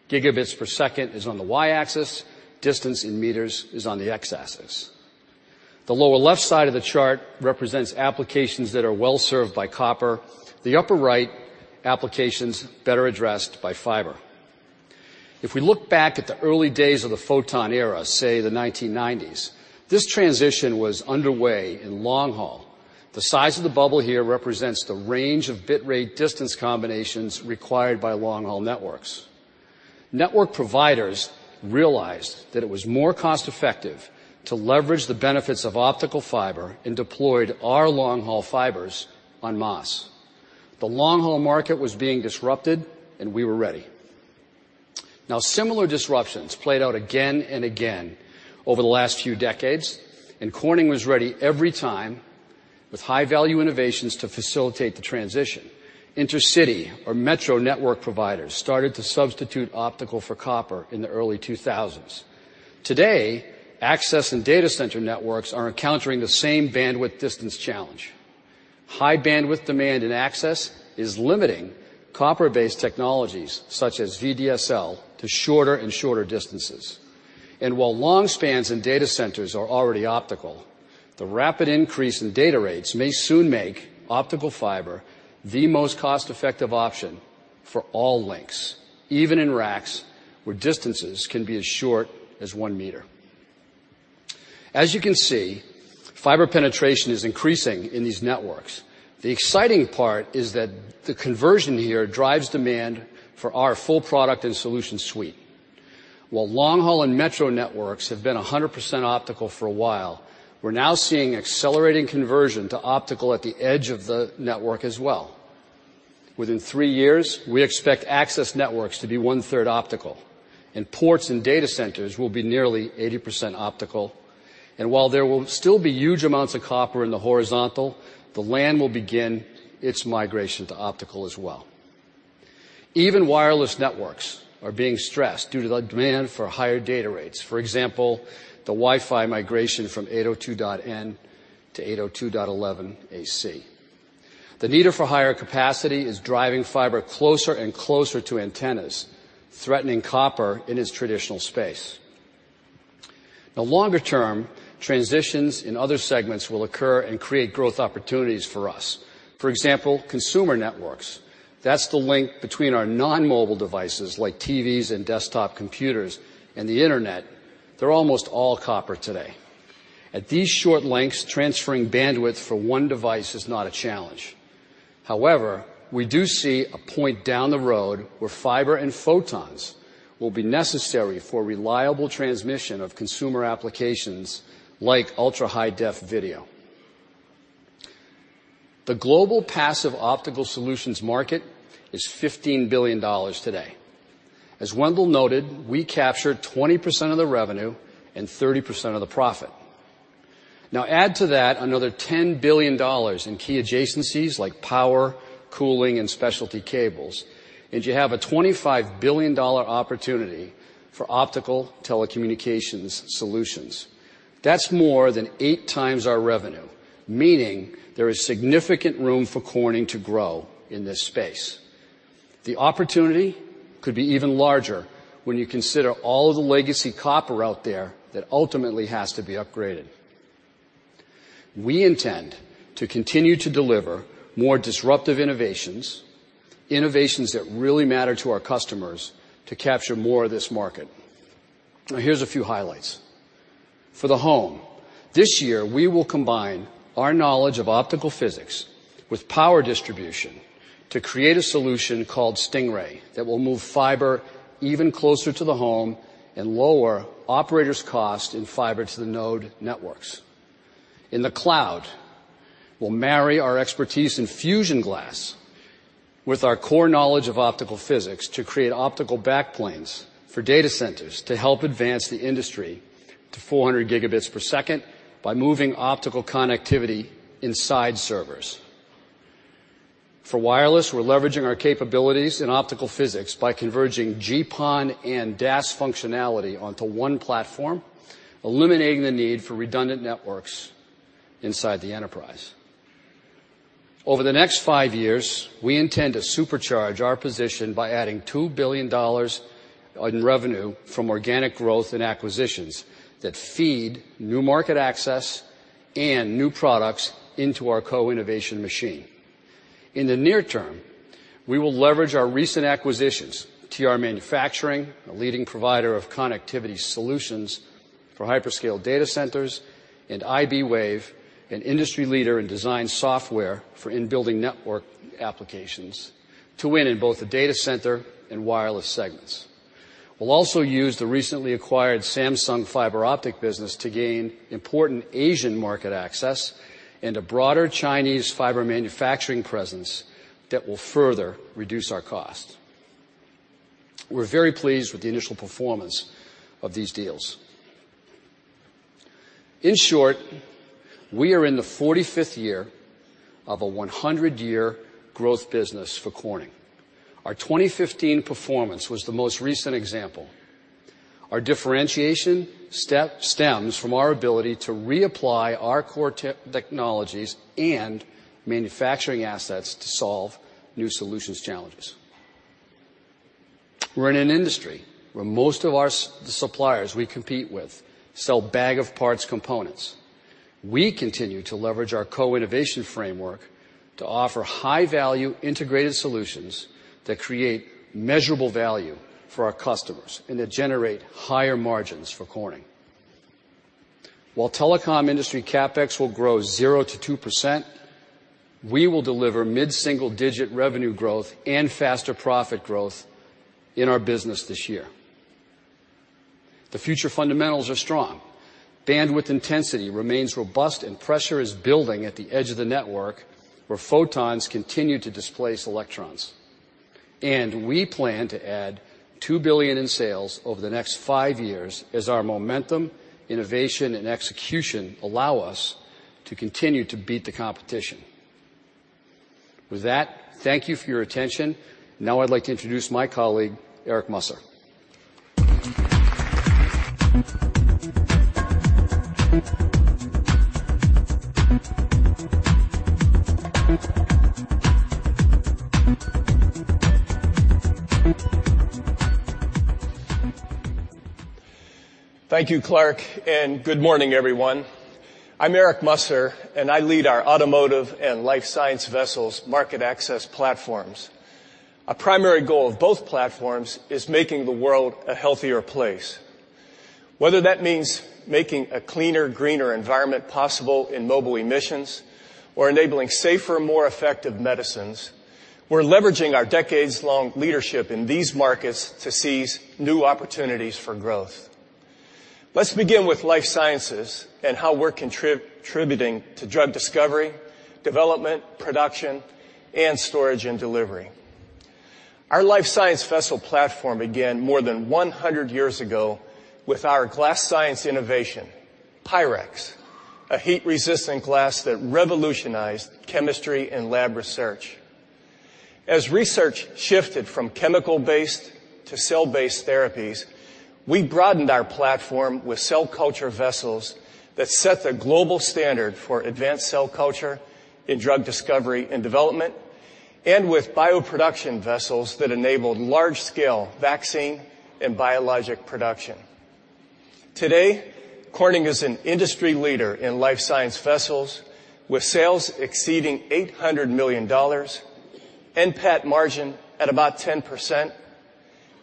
Gigabits per second is on the y-axis, distance in meters is on the x-axis. The lower-left side of the chart represents applications that are well-served by copper. The upper-right applications better addressed by fiber. If we look back at the early days of the photon era, say, the 1990s, this transition was underway in long haul. The size of the bubble here represents the range of bit rate distance combinations required by long-haul networks. Network providers realized that it was more cost-effective to leverage the benefits of optical fiber and deployed our long-haul fibers en masse. The long-haul market was being disrupted, and we were ready. Similar disruptions played out again and again over the last few decades, and Corning was ready every time with high-value innovations to facilitate the transition. Intercity or metro network providers started to substitute optical for copper in the early 2000s. Today, access and data center networks are encountering the same bandwidth distance challenge. High bandwidth demand and access is limiting copper-based technologies such as VDSL to shorter and shorter distances. While long spans in data centers are already optical, the rapid increase in data rates may soon make optical fiber the most cost-effective option for all links, even in racks where distances can be as short as one meter. As you can see, fiber penetration is increasing in these networks. The exciting part is that the conversion here drives demand for our full product and solution suite. While long-haul and metro networks have been 100% optical for a while, we're now seeing accelerating conversion to optical at the edge of the network as well. Within three years, we expect access networks to be one-third optical and ports and data centers will be nearly 80% optical. While there will still be huge amounts of copper in the horizontal, the LAN will begin its migration to optical as well. Even wireless networks are being stressed due to the demand for higher data rates. For example, the Wi-Fi migration from 802.11n to 802.11ac. The need for higher capacity is driving fiber closer and closer to antennas, threatening copper in its traditional space. Longer term, transitions in other segments will occur and create growth opportunities for us. For example, consumer networks. That's the link between our non-mobile devices, like TVs and desktop computers, and the internet. They're almost all copper today. At these short lengths, transferring bandwidth for one device is not a challenge. However, we do see a point down the road where fiber and photons will be necessary for reliable transmission of consumer applications like ultra-high def video. The global passive optical solutions market is $15 billion today. As Wendell noted, we capture 20% of the revenue and 30% of the profit. Add to that another $10 billion in key adjacencies like power, cooling, and specialty cables, and you have a $25 billion opportunity for optical telecommunications solutions. That's more than eight times our revenue, meaning there is significant room for Corning to grow in this space. The opportunity could be even larger when you consider all of the legacy copper out there that ultimately has to be upgraded. We intend to continue to deliver more disruptive innovations that really matter to our customers to capture more of this market. Here's a few highlights. For the home, this year, we will combine our knowledge of optical physics with power distribution to create a solution called Stingray that will move fiber even closer to the home and lower operators' cost in fiber to the node networks. In the cloud, we'll marry our expertise in fusion glass with our core knowledge of optical physics to create optical back planes for data centers to help advance the industry to 400 gigabits per second by moving optical connectivity inside servers. For wireless, we're leveraging our capabilities in optical physics by converging GPON and DAS functionality onto one platform, eliminating the need for redundant networks inside the enterprise. Over the next five years, we intend to supercharge our position by adding $2 billion in revenue from organic growth and acquisitions that feed new market access and new products into our co-innovation machine. In the near term, we will leverage our recent acquisitions, TR Manufacturing, a leading provider of connectivity solutions for hyperscale data centers, and iBwave, an industry leader in design software for in-building network applications, to win in both the data center and wireless segments. We'll also use the recently acquired Samsung fiber optic business to gain important Asian market access and a broader Chinese fiber manufacturing presence that will further reduce our cost. We're very pleased with the initial performance of these deals. In short, we are in the 45th year of a 100-year growth business for Corning. Our 2015 performance was the most recent example. Our differentiation step stems from our ability to reapply our core technologies and manufacturing assets to solve new solutions challenges. We're in an industry where most of our suppliers we compete with sell bag of parts components. We continue to leverage our co-innovation framework to offer high-value integrated solutions that create measurable value for our customers and that generate higher margins for Corning. While telecom industry CapEx will grow 0-2%, we will deliver mid-single-digit revenue growth and faster profit growth in our business this year. The future fundamentals are strong. Bandwidth intensity remains robust, pressure is building at the edge of the network where photons continue to displace electrons. We plan to add $2 billion in sales over the next five years as our momentum, innovation, and execution allow us to continue to beat the competition. With that, thank you for your attention. Now I'd like to introduce my colleague, Eric Musser. Thank you, Clark. Good morning, everyone. I'm Eric Musser. I lead our automotive and life science vessels market access platforms. A primary goal of both platforms is making the world a healthier place. Whether that means making a cleaner, greener environment possible in mobile emissions or enabling safer, more effective medicines, we're leveraging our decades-long leadership in these markets to seize new opportunities for growth. Let's begin with life sciences and how we're contributing to drug discovery, development, production, and storage and delivery. Our life science vessel platform began more than 100 years ago with our glass science innovation, PYREX, a heat-resistant glass that revolutionized chemistry and lab research. As research shifted from chemical-based to cell-based therapies, we broadened our platform with cell culture vessels that set the global standard for advanced cell culture in drug discovery and development and with bioproduction vessels that enabled large-scale vaccine and biologic production. Today, Corning is an industry leader in life science vessels with sales exceeding $800 million, NPAT margin at about 10%,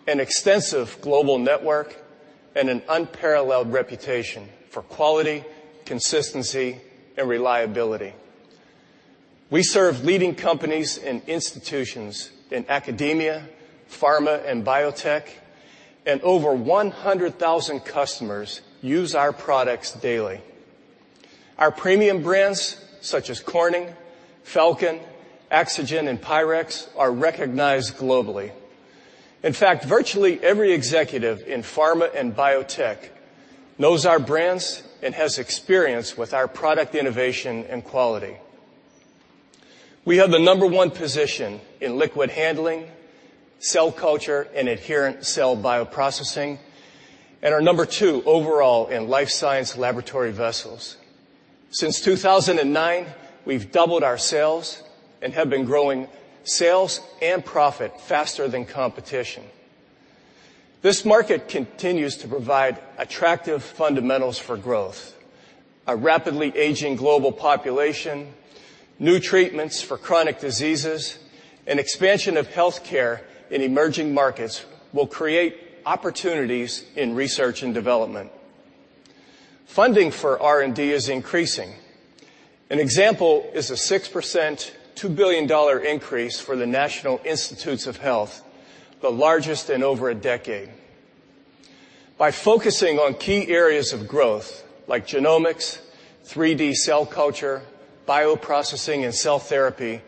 an extensive global network, and an unparalleled reputation for quality, consistency, and reliability. We serve leading companies and institutions in academia, pharma, and biotech, and over 100,000 customers use our products daily. Our premium brands, such as Corning, Falcon, Axygen, and PYREX, are recognized globally. In fact, virtually every executive in pharma and biotech knows our brands and has experience with our product innovation and quality. We have the number 1 position in liquid handling, cell culture, and adherent cell bioprocessing, and are number 2 overall in life science laboratory vessels. Since 2009, we've doubled our sales and have been growing sales and profit faster than competition. This market continues to provide attractive fundamentals for growth. A rapidly aging global population, new treatments for chronic diseases, and expansion of healthcare in emerging markets will create opportunities in research and development. Funding for R&D is increasing. An example is a 6%, $2 billion increase for the National Institutes of Health, the largest in over a decade. By focusing on key areas of growth like genomics, 3D cell culture, bioprocessing, and cell therapy,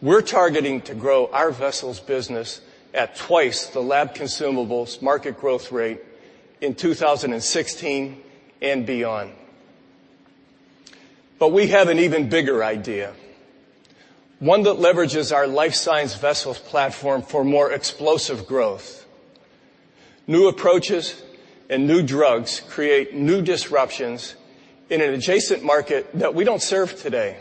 we're targeting to grow our vessels business at twice the lab consumables market growth rate in 2016 and beyond. We have an even bigger idea, one that leverages our life science vessels platform for more explosive growth. New approaches and new drugs create new disruptions in an adjacent market that we don't serve today,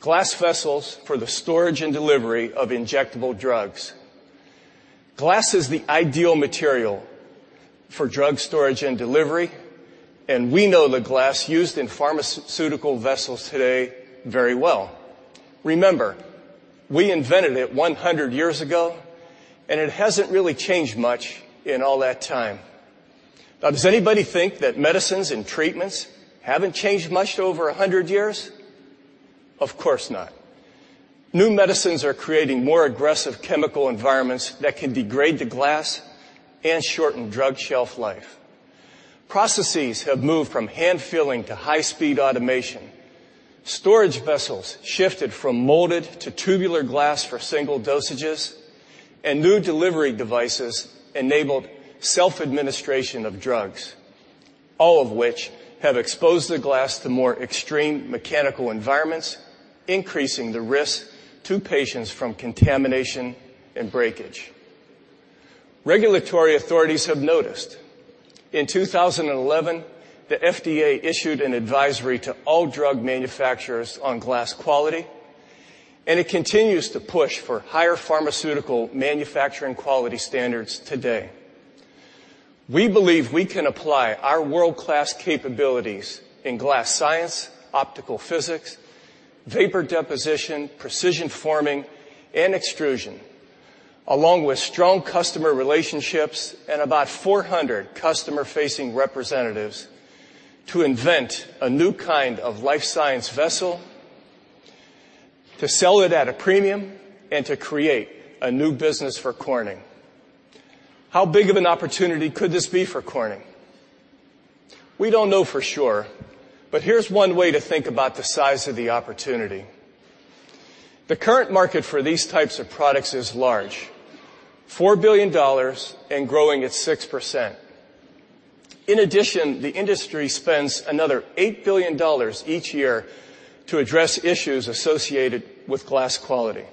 glass vessels for the storage and delivery of injectable drugs. Glass is the ideal material for drug storage and delivery, and we know the glass used in pharmaceutical vessels today very well. Remember, we invented it 100 years ago, and it hasn't really changed much in all that time. Now, does anybody think that medicines and treatments haven't changed much over 100 years? Of course not. New medicines are creating more aggressive chemical environments that can degrade the glass and shorten drug shelf life. Processes have moved from hand filling to high-speed automation. Storage vessels shifted from molded to tubular glass for single dosages, and new delivery devices enabled self-administration of drugs, all of which have exposed the glass to more extreme mechanical environments, increasing the risk to patients from contamination and breakage. Regulatory authorities have noticed. In 2011, the FDA issued an advisory to all drug manufacturers on glass quality, and it continues to push for higher pharmaceutical manufacturing quality standards today. We believe we can apply our world-class capabilities in glass science, optical physics, vapor deposition, precision forming, and extrusion, along with strong customer relationships and about 400 customer-facing representatives to invent a new kind of life science vessel, to sell it at a premium, and to create a new business for Corning. How big of an opportunity could this be for Corning? Here's one way to think about the size of the opportunity. The current market for these types of products is large, $4 billion and growing at 6%. In addition, the industry spends another $8 billion each year to address issues associated with glass quality.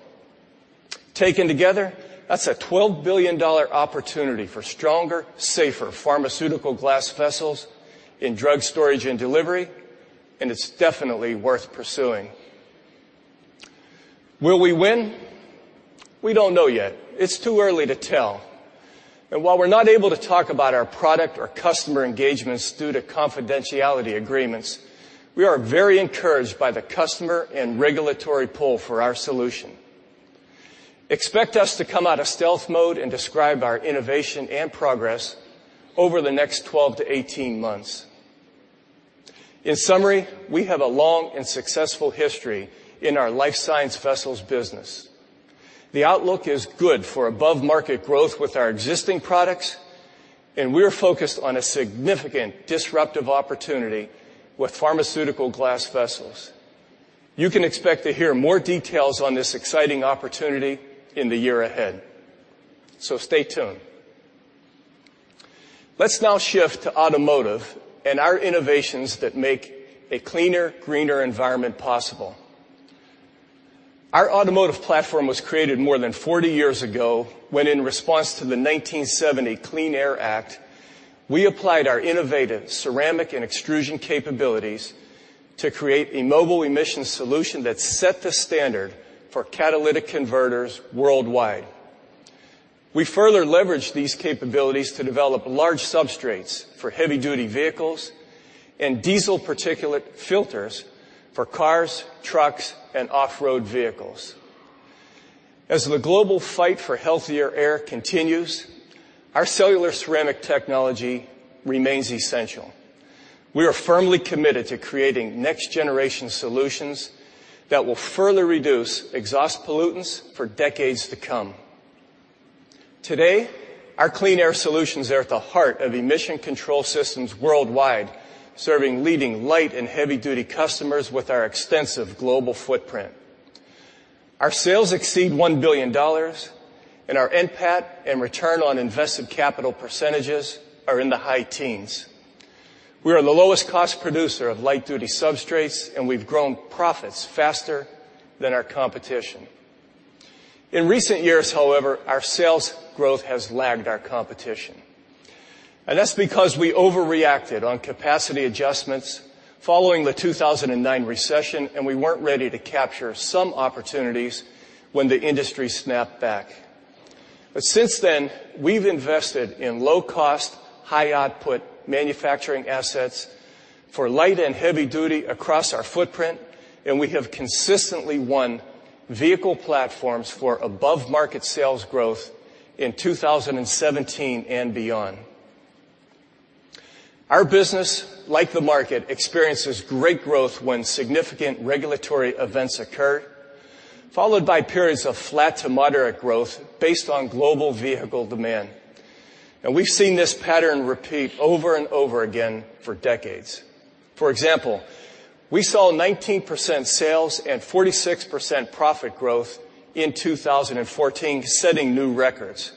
Taken together, that's a $12 billion opportunity for stronger, safer pharmaceutical glass vessels in drug storage and delivery, and it's definitely worth pursuing. Will we win? We don't know yet. It's too early to tell. While we're not able to talk about our product or customer engagements due to confidentiality agreements, we are very encouraged by the customer and regulatory pull for our solution. Expect us to come out of stealth mode and describe our innovation and progress over the next 12 to 18 months. In summary, we have a long and successful history in our life science vessels business. The outlook is good for above-market growth with our existing products. We are focused on a significant disruptive opportunity with pharmaceutical glass vessels. You can expect to hear more details on this exciting opportunity in the year ahead. Stay tuned. Let's now shift to automotive and our innovations that make a cleaner, greener environment possible. Our automotive platform was created more than 40 years ago when, in response to the 1970 Clean Air Act, we applied our innovative ceramic and extrusion capabilities to create a mobile emissions solution that set the standard for catalytic converters worldwide. We further leveraged these capabilities to develop large substrates for heavy-duty vehicles and diesel particulate filters for cars, trucks, and off-road vehicles. As the global fight for healthier air continues, our cellular ceramic technology remains essential. We are firmly committed to creating next-generation solutions that will further reduce exhaust pollutants for decades to come. Today, our clean air solutions are at the heart of emission control systems worldwide, serving leading light and heavy-duty customers with our extensive global footprint. Our sales exceed $1 billion. Our NPAT and return on invested capital percentages are in the high teens. We are the lowest cost producer of light-duty substrates. We've grown profits faster than our competition. In recent years, however, our sales growth has lagged our competition. That's because we overreacted on capacity adjustments following the 2009 recession. We weren't ready to capture some opportunities when the industry snapped back. Since then, we've invested in low-cost, high-output manufacturing assets for light and heavy duty across our footprint. We have consistently won vehicle platforms for above-market sales growth in 2017 and beyond. Our business, like the market, experiences great growth when significant regulatory events occur, followed by periods of flat to moderate growth based on global vehicle demand. We've seen this pattern repeat over and over again for decades. For example, we saw 19% sales and 46% profit growth in 2014, setting new records,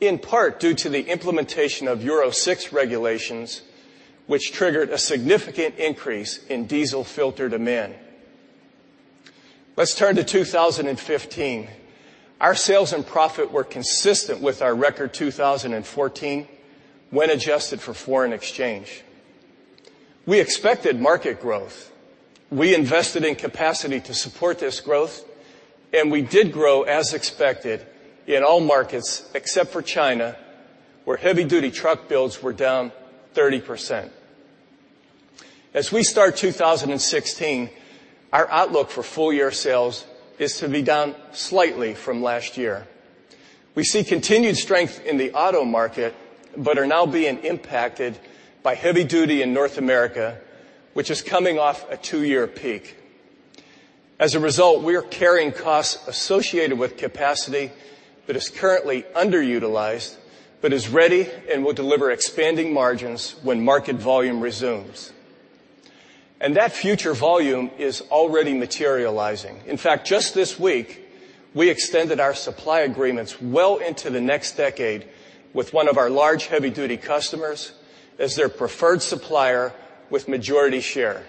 in part due to the implementation of Euro 6 regulations, which triggered a significant increase in diesel filter demand. Let's turn to 2015. Our sales and profit were consistent with our record 2014 when adjusted for foreign exchange. We expected market growth. We invested in capacity to support this growth. We did grow as expected in all markets except for China, where heavy-duty truck builds were down 30%. As we start 2016, our outlook for full-year sales is to be down slightly from last year. We see continued strength in the auto market, but are now being impacted by heavy duty in North America, which is coming off a two-year peak. As a result, we are carrying costs associated with capacity that is currently underutilized but is ready and will deliver expanding margins when market volume resumes. That future volume is already materializing. In fact, just this week, we extended our supply agreements well into the next decade with one of our large heavy-duty customers as their preferred supplier with majority share.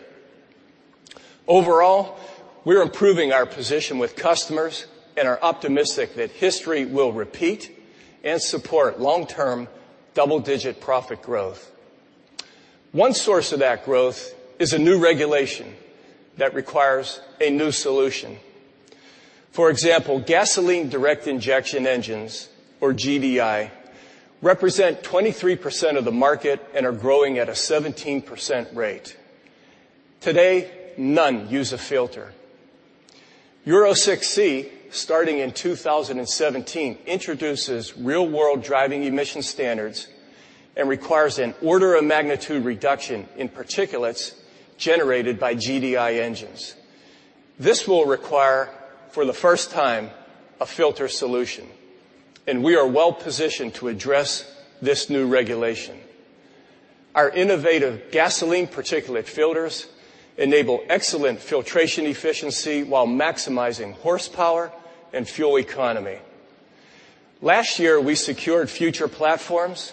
Overall, we're improving our position with customers and are optimistic that history will repeat and support long-term double-digit profit growth. One source of that growth is a new regulation that requires a new solution. For example, gasoline direct injection engines, or GDI, represent 23% of the market and are growing at a 17% rate. Today, none use a filter. Euro 6c, starting in 2017, introduces real-world driving emission standards and requires an order of magnitude reduction in particulates generated by GDI engines. This will require, for the first time, a filter solution, and we are well-positioned to address this new regulation. Our innovative gasoline particulate filters enable excellent filtration efficiency while maximizing horsepower and fuel economy. Last year, we secured future platforms,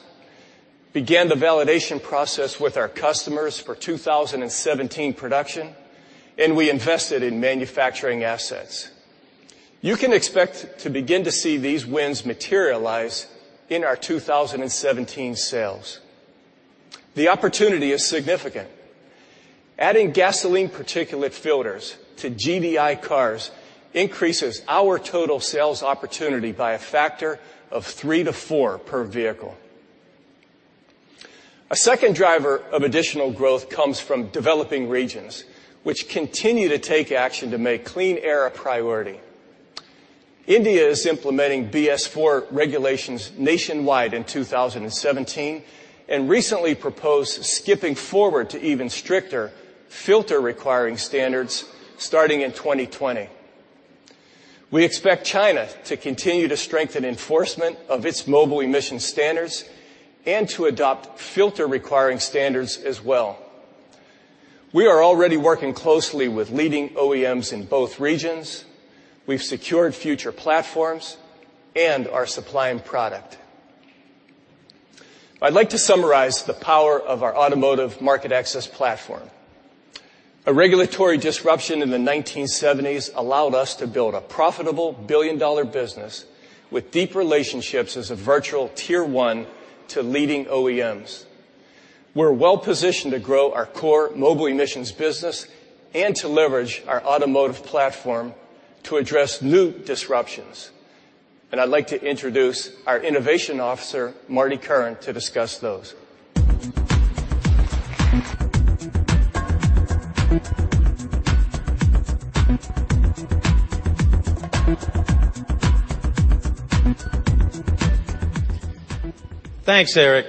began the validation process with our customers for 2017 production, and we invested in manufacturing assets. You can expect to begin to see these wins materialize in our 2017 sales. The opportunity is significant. Adding gasoline particulate filters to GDI cars increases our total sales opportunity by a factor of three to four per vehicle. A second driver of additional growth comes from developing regions, which continue to take action to make clean air a priority. India is implementing BS IV regulations nationwide in 2017 and recently proposed skipping forward to even stricter filter-requiring standards starting in 2020. We expect China to continue to strengthen enforcement of its mobile emission standards and to adopt filter-requiring standards as well. We are already working closely with leading OEMs in both regions. We've secured future platforms and are supplying product. I'd like to summarize the power of our automotive market access platform. A regulatory disruption in the 1970s allowed us to build a profitable billion-dollar business with deep relationships as a virtual tier 1 to leading OEMs. We're well-positioned to grow our core mobile emissions business and to leverage our automotive platform to address new disruptions. I'd like to introduce our Innovation Officer, Marty Curran, to discuss those. Thanks, Eric.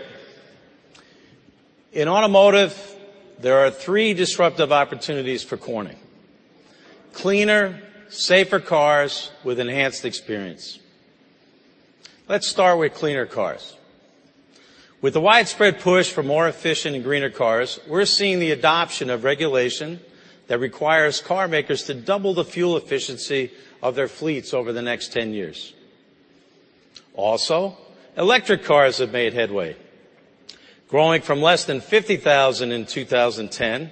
In automotive, there are three disruptive opportunities for Corning: cleaner, safer cars with enhanced experience. Let's start with cleaner cars. With the widespread push for more efficient and greener cars, we're seeing the adoption of regulation that requires car makers to double the fuel efficiency of their fleets over the next 10 years. Also, electric cars have made headway, growing from less than 50,000 in 2010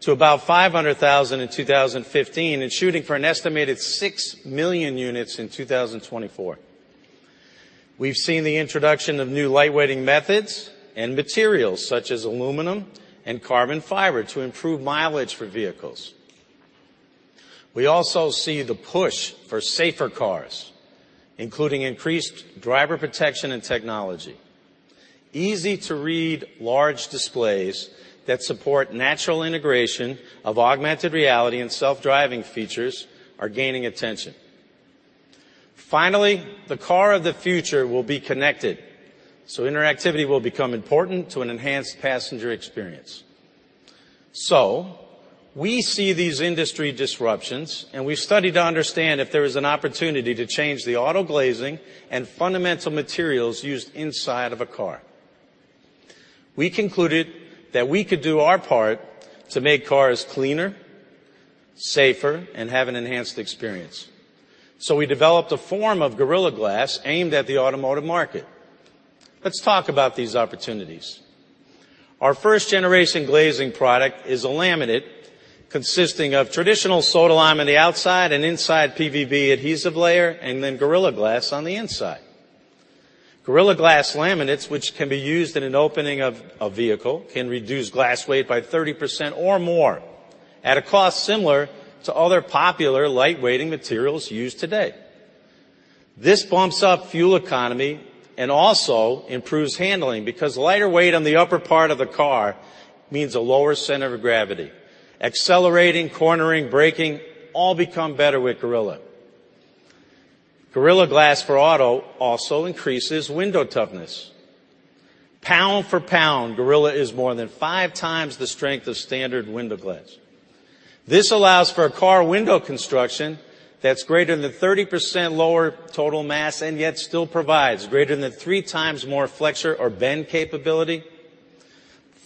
to about 500,000 in 2015 and shooting for an estimated six million units in 2024. We've seen the introduction of new lightweighting methods and materials such as aluminum and carbon fiber to improve mileage for vehicles. We also see the push for safer cars, including increased driver protection and technology. Easy-to-read large displays that support natural integration of augmented reality and self-driving features are gaining attention. The car of the future will be connected. Interactivity will become important to an enhanced passenger experience. We see these industry disruptions, and we've studied to understand if there is an opportunity to change the auto glazing and fundamental materials used inside of a car. We concluded that we could do our part to make cars cleaner, safer, and have an enhanced experience. We developed a form of Gorilla Glass aimed at the automotive market. Let's talk about these opportunities. Our first-generation glazing product is a laminate consisting of traditional soda-lime on the outside and inside PVB adhesive layer, Gorilla Glass on the inside. Gorilla Glass laminates, which can be used in an opening of a vehicle, can reduce glass weight by 30% or more at a cost similar to other popular lightweighting materials used today. This bumps up fuel economy and also improves handling because lighter weight on the upper part of the car means a lower center of gravity. Accelerating, cornering, braking, all become better with Gorilla. Gorilla Glass for auto also increases window toughness. Pound for pound, Gorilla is more than five times the strength of standard window glass. This allows for a car window construction that's greater than 30% lower total mass and yet still provides greater than three times more flexure or bend capability,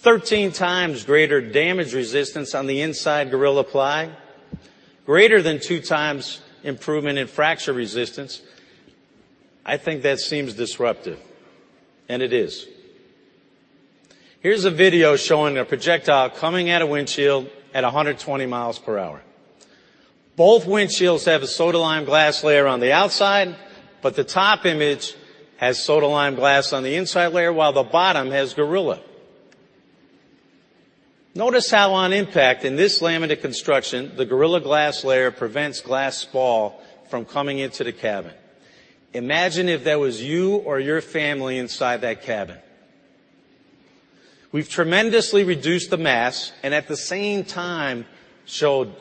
13 times greater damage resistance on the inside Gorilla ply, greater than two times improvement in fracture resistance. I think that seems disruptive, and it is. Here's a video showing a projectile coming at a windshield at 120 miles per hour. Both windshields have a soda-lime glass layer on the outside. The top image has soda-lime glass on the inside layer, while the bottom has Gorilla. Notice how on impact in this laminated construction, the Gorilla Glass layer prevents glass fall from coming into the cabin. Imagine if that was you or your family inside that cabin. We've tremendously reduced the mass and at the same time showed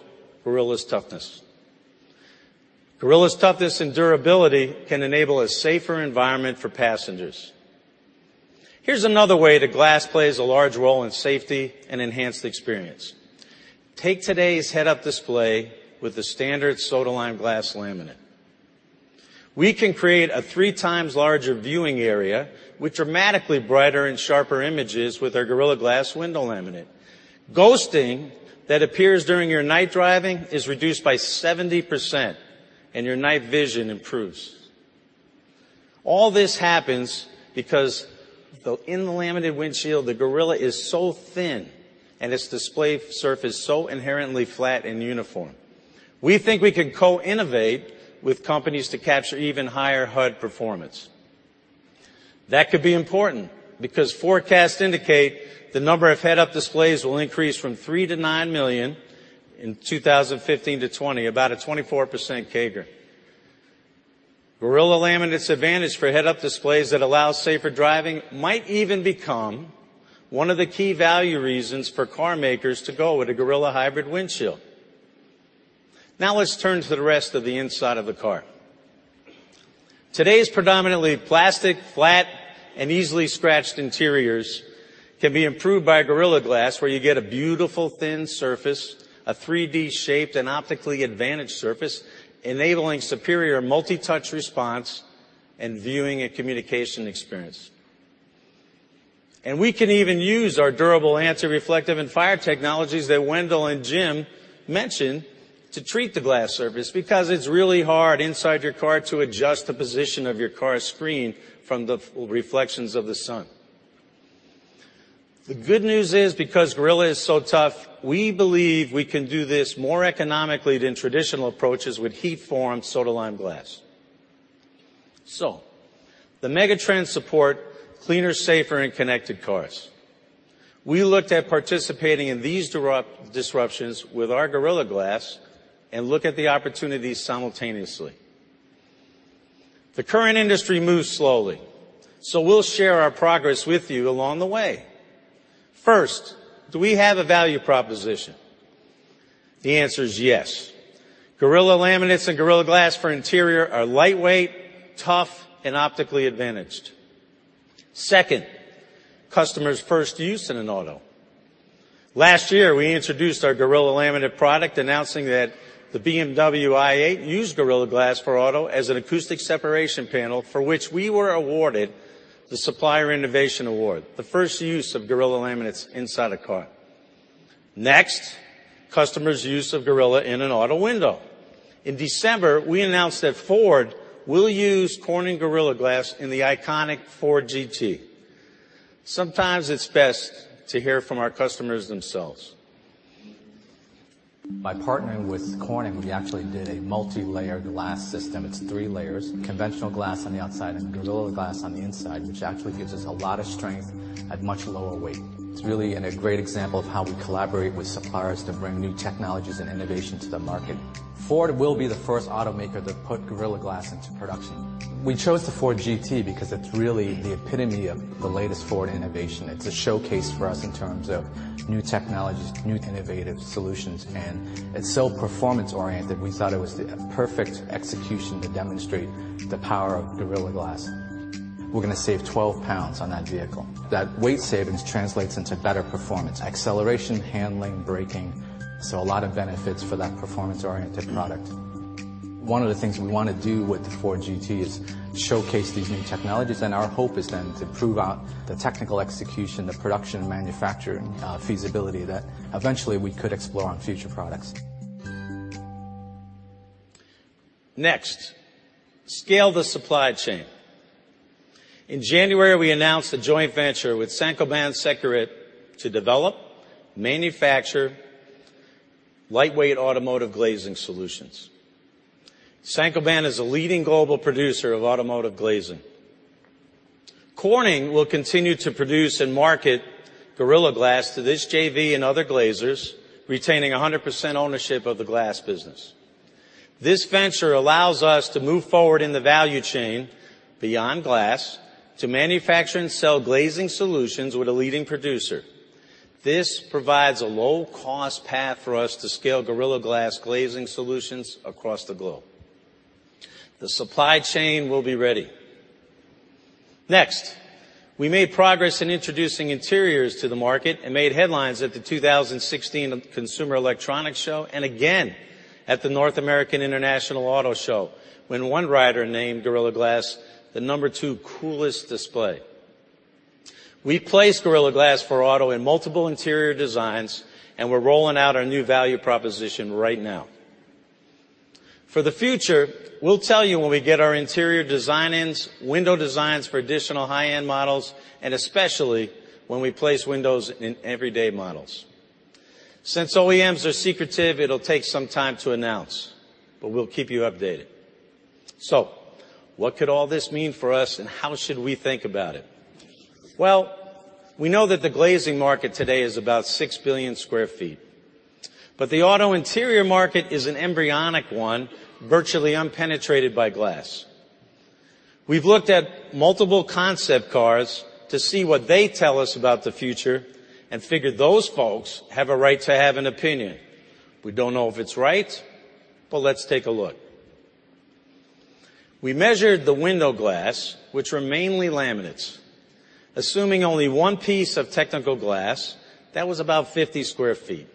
Gorilla's toughness. Gorilla's toughness and durability can enable a safer environment for passengers. Here's another way that glass plays a large role in safety and enhanced experience. Take today's head-up display with the standard soda-lime glass laminate. We can create a three times larger viewing area with dramatically brighter and sharper images with our Gorilla Glass window laminate. Ghosting that appears during your night driving is reduced by 70%. Your night vision improves. All this happens because in the laminated windshield, the Gorilla is so thin and its display surface so inherently flat and uniform. We think we can co-innovate with companies to capture even higher HUD performance. That could be important because forecasts indicate the number of head-up displays will increase from 3 million to 9 million in 2015 to 2020, about a 24% CAGR. Gorilla laminate's advantage for head-up displays that allow safer driving might even become one of the key value reasons for car makers to go with a Gorilla hybrid windshield. Let's turn to the rest of the inside of the car. Today's predominantly plastic, flat, and easily scratched interiors can be improved by Gorilla Glass, where you get a beautiful thin surface, a 3D-shaped and optically advantaged surface, enabling superior multi-touch response and viewing and communication experience. We can even use our durable anti-reflective and Phire technologies that Wendell and Jim mentioned to treat the glass surface because it's really hard inside your car to adjust the position of your car screen from the reflections of the sun. The good news is, because Gorilla is so tough, we believe we can do this more economically than traditional approaches with heat-formed soda-lime glass. The megatrends support cleaner, safer, and connected cars. We looked at participating in these disruptions with our Gorilla Glass and look at the opportunities simultaneously. The current industry moves slowly, so we'll share our progress with you along the way. First, do we have a value proposition? The answer is yes. Gorilla laminates and Gorilla Glass for interior are lightweight, tough, and optically advantaged. Second, customer's first use in an auto. Last year, we introduced our Gorilla laminate product, announcing that the BMW i8 used Gorilla Glass for auto as an acoustic separation panel for which we were awarded the Supplier Innovation Award, the first use of Gorilla laminates inside a car. Next, customer's use of Gorilla in an auto window. In December, we announced that Ford will use Corning Gorilla Glass in the iconic Ford GT. Sometimes it's best to hear from our customers themselves. By partnering with Corning, we actually did a multilayer glass system. It's 3 layers, conventional glass on the outside and Gorilla Glass on the inside, which actually gives us a lot of strength at much lower weight. It's really a great example of how we collaborate with suppliers to bring new technologies and innovation to the market. Ford will be the first automaker to put Gorilla Glass into production. We chose the Ford GT because it's really the epitome of the latest Ford innovation. It's a showcase for us in terms of new technologies, new innovative solutions, and it's so performance-oriented, we thought it was the perfect execution to demonstrate the power of Gorilla Glass. We're going to save 12 pounds on that vehicle. That weight savings translates into better performance, acceleration, handling, braking. A lot of benefits for that performance-oriented product. One of the things we want to do with the Ford GT is showcase these new technologies, our hope is then to prove out the technical execution, the production and manufacturing feasibility that eventually we could explore on future products. Scale the supply chain. In January, we announced a joint venture with Saint-Gobain Sekurit to develop, manufacture lightweight automotive glazing solutions. Saint-Gobain is a leading global producer of automotive glazing. Corning will continue to produce and market Gorilla Glass to this JV and other glaziers, retaining 100% ownership of the glass business. This venture allows us to move forward in the value chain beyond glass to manufacture and sell glazing solutions with a leading producer. This provides a low-cost path for us to scale Gorilla Glass glazing solutions across the globe. The supply chain will be ready. We made progress in introducing interiors to the market and made headlines at the 2016 Consumer Electronics Show and again at the North American International Auto Show when one writer named Gorilla Glass the number 2 coolest display. We placed Gorilla Glass for auto in multiple interior designs. We're rolling out our new value proposition right now. For the future, we'll tell you when we get our interior designs, window designs for additional high-end models, and especially when we place windows in everyday models. Since OEMs are secretive, it'll take some time to announce. We'll keep you updated. What could all this mean for us, and how should we think about it? We know that the glazing market today is about 6 billion sq ft. The auto interior market is an embryonic one, virtually unpenetrated by glass. We've looked at multiple concept cars to see what they tell us about the future and figure those folks have a right to have an opinion. We don't know if it's right. Let's take a look. We measured the window glass, which were mainly laminates. Assuming only one piece of technical glass, that was about 50 sq ft.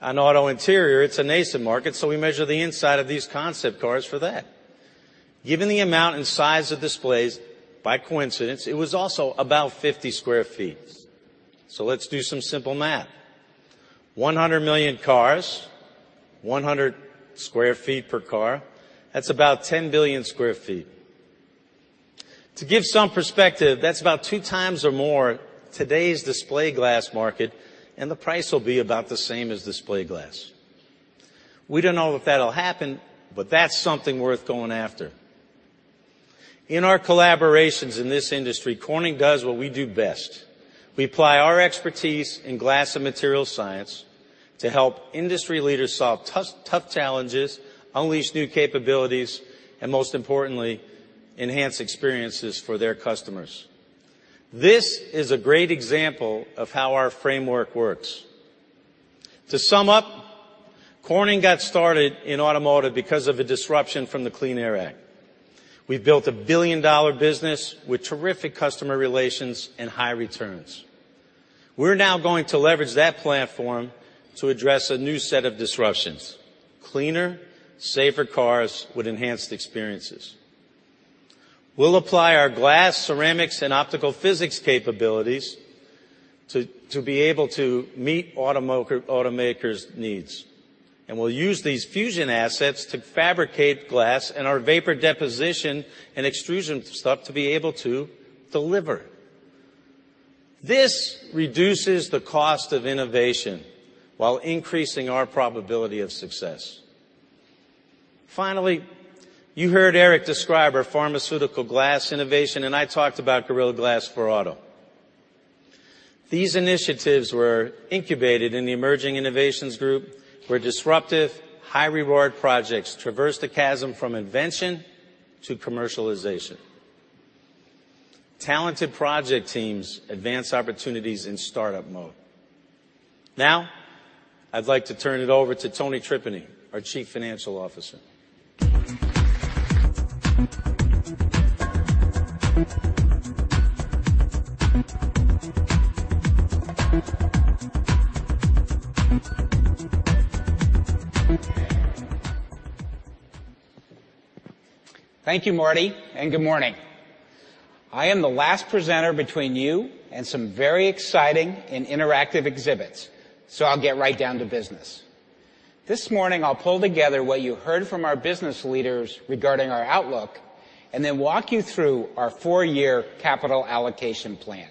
On auto interior, it's a nascent market. We measure the inside of these concept cars for that. Given the amount and size of displays, by coincidence, it was also about 50 sq ft. Let's do some simple math. 100 million cars, 100 sq ft per car. That's about 10 billion sq ft. To give some perspective, that's about 2 times or more today's display glass market. The price will be about the same as display glass. We don't know if that'll happen. That's something worth going after. In our collaborations in this industry, Corning does what we do best. We apply our expertise in glass and material science to help industry leaders solve tough challenges, unleash new capabilities, and most importantly, enhance experiences for their customers. This is a great example of how our framework works. To sum up, Corning got started in automotive because of a disruption from the Clean Air Act. We've built a billion-dollar business with terrific customer relations and high returns. We're now going to leverage that platform to address a new set of disruptions, cleaner, safer cars with enhanced experiences. We'll apply our glass, ceramics, and optical physics capabilities to be able to meet automakers' needs. We'll use these fusion assets to fabricate glass and our vapor deposition and extrusion stuff to be able to deliver. This reduces the cost of innovation while increasing our probability of success. Finally, you heard Eric describe our pharmaceutical glass innovation. I talked about Gorilla Glass for auto. These initiatives were incubated in the emerging innovations group, where disruptive, high reward projects traverse the chasm from invention to commercialization. Talented project teams advance opportunities in startup mode. I'd like to turn it over to Tony Tripeny, our Chief Financial Officer. Thank you, Marty. Good morning. I am the last presenter between you and some very exciting and interactive exhibits. I'll get right down to business. This morning, I'll pull together what you heard from our business leaders regarding our outlook. I'll walk you through our 4-year capital allocation plan.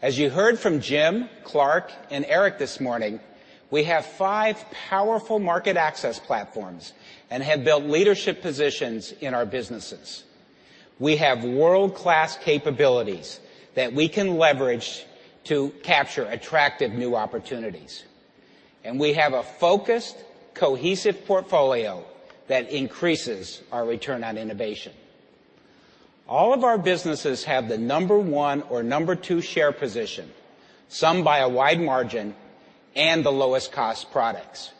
As you heard from Jim, Clark, and Eric this morning, we have five powerful market access platforms and have built leadership positions in our businesses. We have world-class capabilities that we can leverage to capture attractive new opportunities. We have a focused, cohesive portfolio that increases our return on innovation. All of our businesses have the number one or number two share position, some by a wide margin, and the lowest cost products.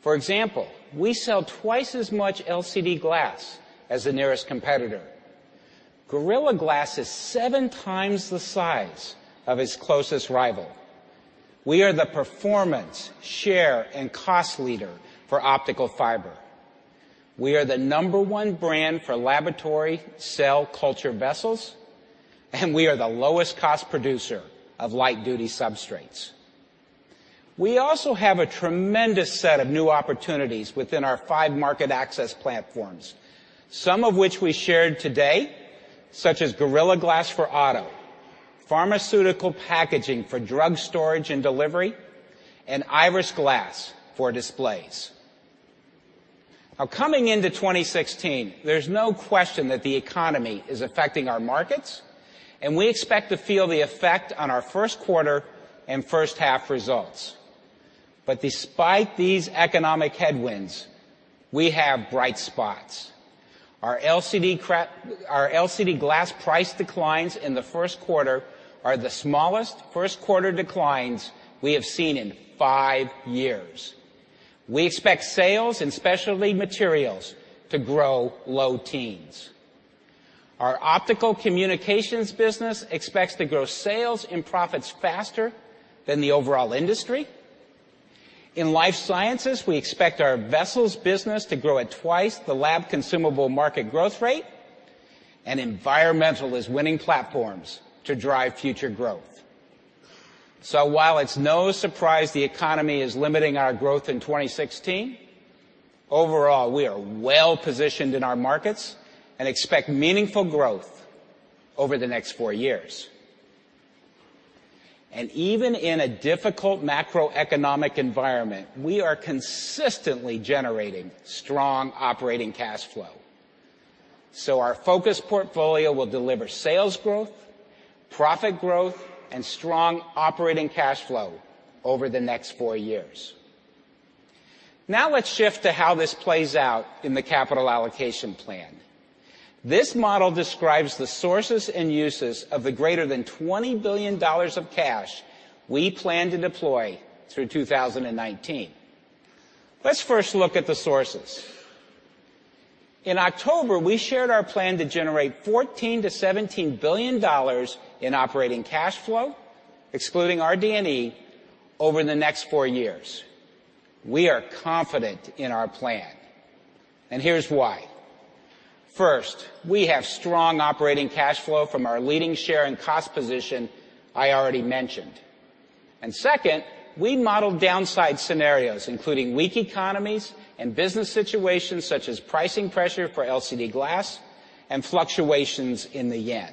For example, we sell twice as much LCD glass as the nearest competitor. Gorilla Glass is seven times the size of its closest rival. We are the performance, share, and cost leader for optical fiber. We are the number one brand for laboratory cell culture vessels. We are the lowest cost producer of light-duty substrates. We also have a tremendous set of new opportunities within our five market access platforms, some of which we shared today, such as Gorilla Glass for auto, pharmaceutical packaging for drug storage and delivery, and Iris Glass for displays. Coming into 2016, there's no question that the economy is affecting our markets. We expect to feel the effect on our first quarter and first half results. Despite these economic headwinds, we have bright spots. Our LCD glass price declines in the first quarter are the smallest first-quarter declines we have seen in five years. We expect sales and specialty materials to grow low teens. Our Corning Optical Communications business expects to grow sales and profits faster than the overall industry. In life sciences, we expect our vessels business to grow at twice the lab consumable market growth rate. Environmental is winning platforms to drive future growth. While it's no surprise the economy is limiting our growth in 2016, overall, we are well-positioned in our markets and expect meaningful growth over the next four years. Even in a difficult macroeconomic environment, we are consistently generating strong operating cash flow. Our focused portfolio will deliver sales growth, profit growth, and strong operating cash flow over the next four years. Let's shift to how this plays out in the capital allocation plan. This model describes the sources and uses of the greater than $20 billion of cash we plan to deploy through 2019. Let's first look at the sources. In October, we shared our plan to generate $14 billion-$17 billion in operating cash flow, excluding RD&E, over the next four years. We are confident in our plan, here's why. First, we have strong operating cash flow from our leading share and cost position I already mentioned. Second, we modeled downside scenarios, including weak economies and business situations such as pricing pressure for LCD glass and fluctuations in the yen.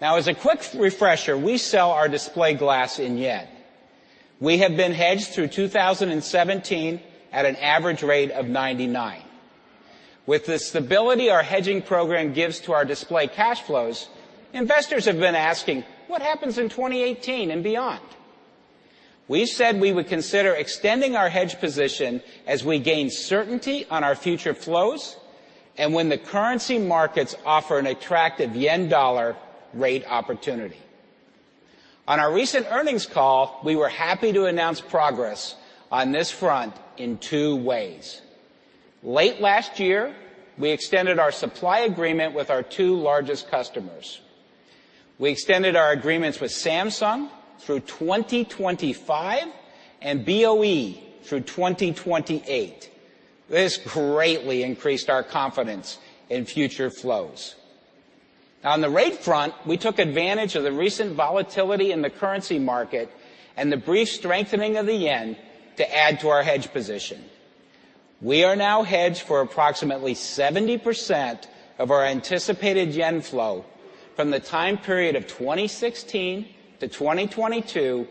As a quick refresher, we sell our display glass in yen. We have been hedged through 2017 at an average rate of 99. With the stability our hedging program gives to our display cash flows, investors have been asking, "What happens in 2018 and beyond?" We said we would consider extending our hedge position as we gain certainty on our future flows and when the currency markets offer an attractive yen-dollar rate opportunity. On our recent earnings call, we were happy to announce progress on this front in two ways. Late last year, we extended our supply agreement with our two largest customers. We extended our agreements with Samsung through 2025 and BOE through 2028. This greatly increased our confidence in future flows. On the rate front, we took advantage of the recent volatility in the currency market and the brief strengthening of the yen to add to our hedge position. We are now hedged for approximately 70% of our anticipated yen flow from the time period of 2016 to 2022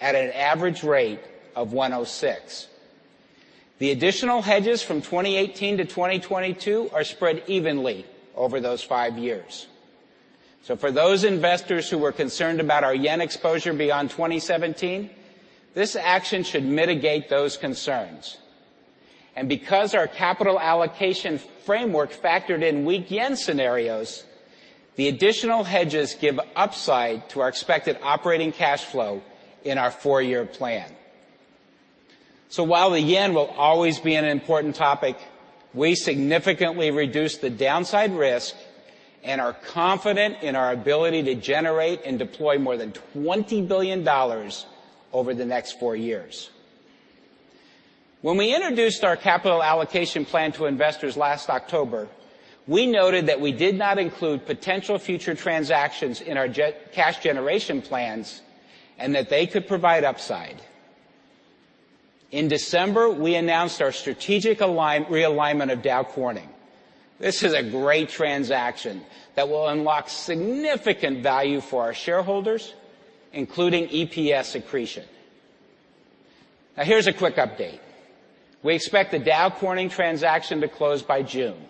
at an average rate of 106. The additional hedges from 2018 to 2022 are spread evenly over those five years. For those investors who were concerned about our yen exposure beyond 2017, this action should mitigate those concerns. Because our capital allocation framework factored in weak yen scenarios, the additional hedges give upside to our expected operating cash flow in our four-year plan. While the yen will always be an important topic, we significantly reduced the downside risk and are confident in our ability to generate and deploy more than $20 billion over the next four years. When we introduced our capital allocation plan to investors last October, we noted that we did not include potential future transactions in our cash generation plans and that they could provide upside. In December, we announced our strategic realignment of Dow Corning. This is a great transaction that will unlock significant value for our shareholders, including EPS accretion. Here's a quick update. We expect the Dow Corning transaction to close by June.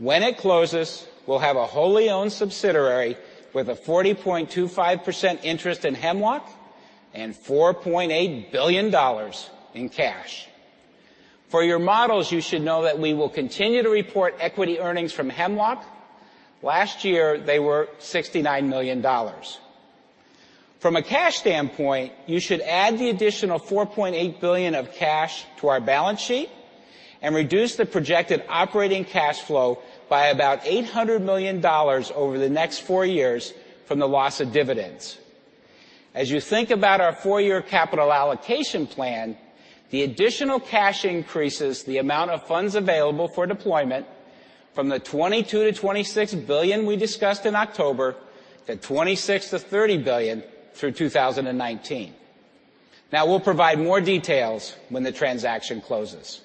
When it closes, we'll have a wholly owned subsidiary with a 40.25% interest in Hemlock and $4.8 billion in cash. For your models, you should know that we will continue to report equity earnings from Hemlock. Last year, they were $69 million. From a cash standpoint, you should add the additional $4.8 billion of cash to our balance sheet and reduce the projected operating cash flow by about $800 million over the next four years from the loss of dividends. As you think about our four-year capital allocation plan, the additional cash increases the amount of funds available for deployment from the $22 billion-$26 billion we discussed in October to $26 billion-$30 billion through 2019. We'll provide more details when the transaction closes.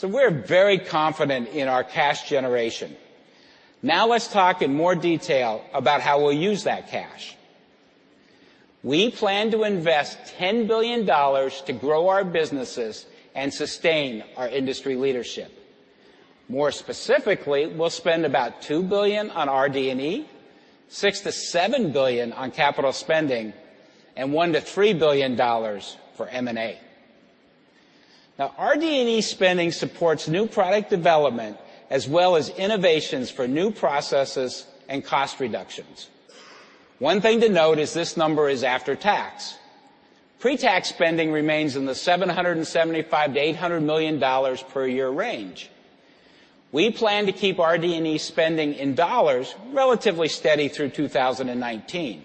We're very confident in our cash generation. Let's talk in more detail about how we'll use that cash. We plan to invest $10 billion to grow our businesses and sustain our industry leadership. More specifically, we'll spend about $2 billion on RD&E, $6 billion-$7 billion on capital spending, and $1 billion-$3 billion for M&A. RD&E spending supports new product development as well as innovations for new processes and cost reductions. One thing to note is this number is after tax. Pre-tax spending remains in the $775 million-$800 million per year range. We plan to keep RD&E spending in dollars relatively steady through 2019,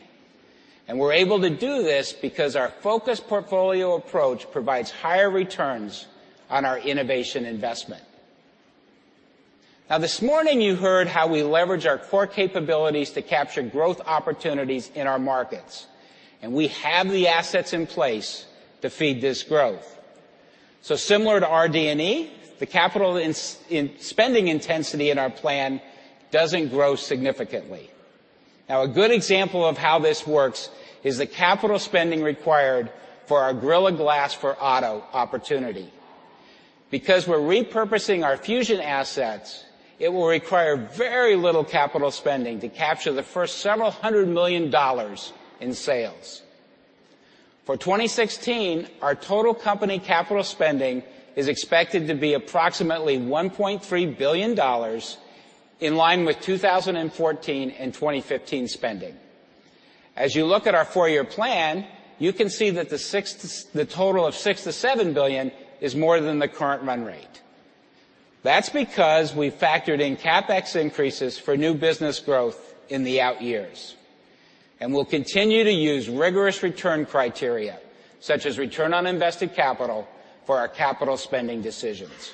and we're able to do this because our focused portfolio approach provides higher returns on our innovation investment. This morning, you heard how we leverage our core capabilities to capture growth opportunities in our markets, and we have the assets in place to feed this growth. Similar to RD&E, the capital spending intensity in our plan doesn't grow significantly. A good example of how this works is the capital spending required for our Gorilla Glass for auto opportunity. Because we're repurposing our fusion assets, it will require very little capital spending to capture the first several hundred million dollars in sales. For 2016, our total company capital spending is expected to be approximately $1.3 billion, in line with 2014 and 2015 spending. As you look at our four-year plan, you can see that the total of $6 billion-$7 billion is more than the current run rate. That's because we factored in CapEx increases for new business growth in the out years, and we'll continue to use rigorous return criteria, such as return on invested capital, for our capital spending decisions.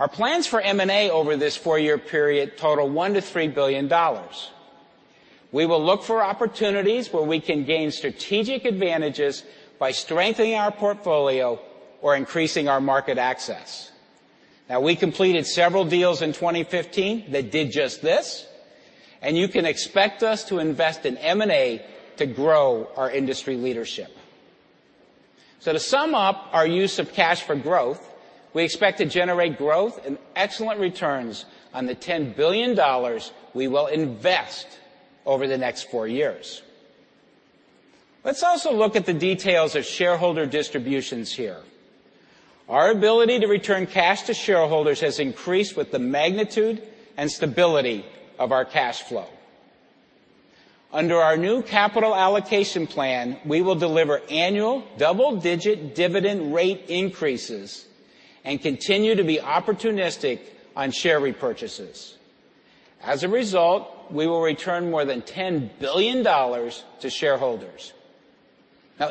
Our plans for M&A over this four-year period total $1 billion-$3 billion. We will look for opportunities where we can gain strategic advantages by strengthening our portfolio or increasing our market access. We completed several deals in 2015 that did just this, and you can expect us to invest in M&A to grow our industry leadership. To sum up our use of cash for growth, we expect to generate growth and excellent returns on the $10 billion we will invest over the next four years. Let's also look at the details of shareholder distributions here. Our ability to return cash to shareholders has increased with the magnitude and stability of our cash flow. Under our new capital allocation plan, we will deliver annual double-digit dividend rate increases and continue to be opportunistic on share repurchases. As a result, we will return more than $10 billion to shareholders.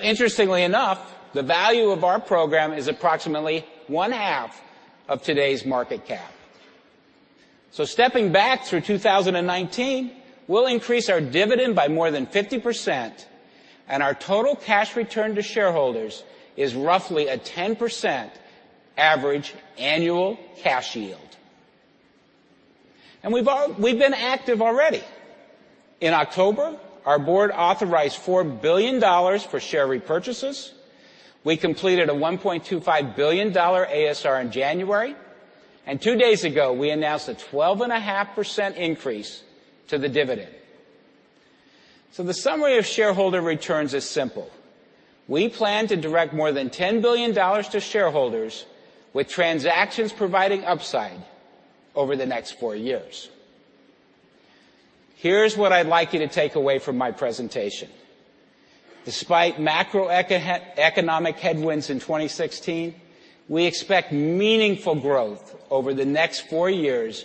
Interestingly enough, the value of our program is approximately one-half of today's market cap. Stepping back through 2019, we'll increase our dividend by more than 50%, and our total cash return to shareholders is roughly a 10% average annual cash yield. We've been active already. In October, our board authorized $4 billion for share repurchases. We completed a $1.25 billion ASR in January, and two days ago, we announced a 12.5% increase to the dividend. The summary of shareholder returns is simple. We plan to direct more than $10 billion to shareholders with transactions providing upside over the next four years. Here's what I'd like you to take away from my presentation. Despite macroeconomic headwinds in 2016, we expect meaningful growth over the next four years,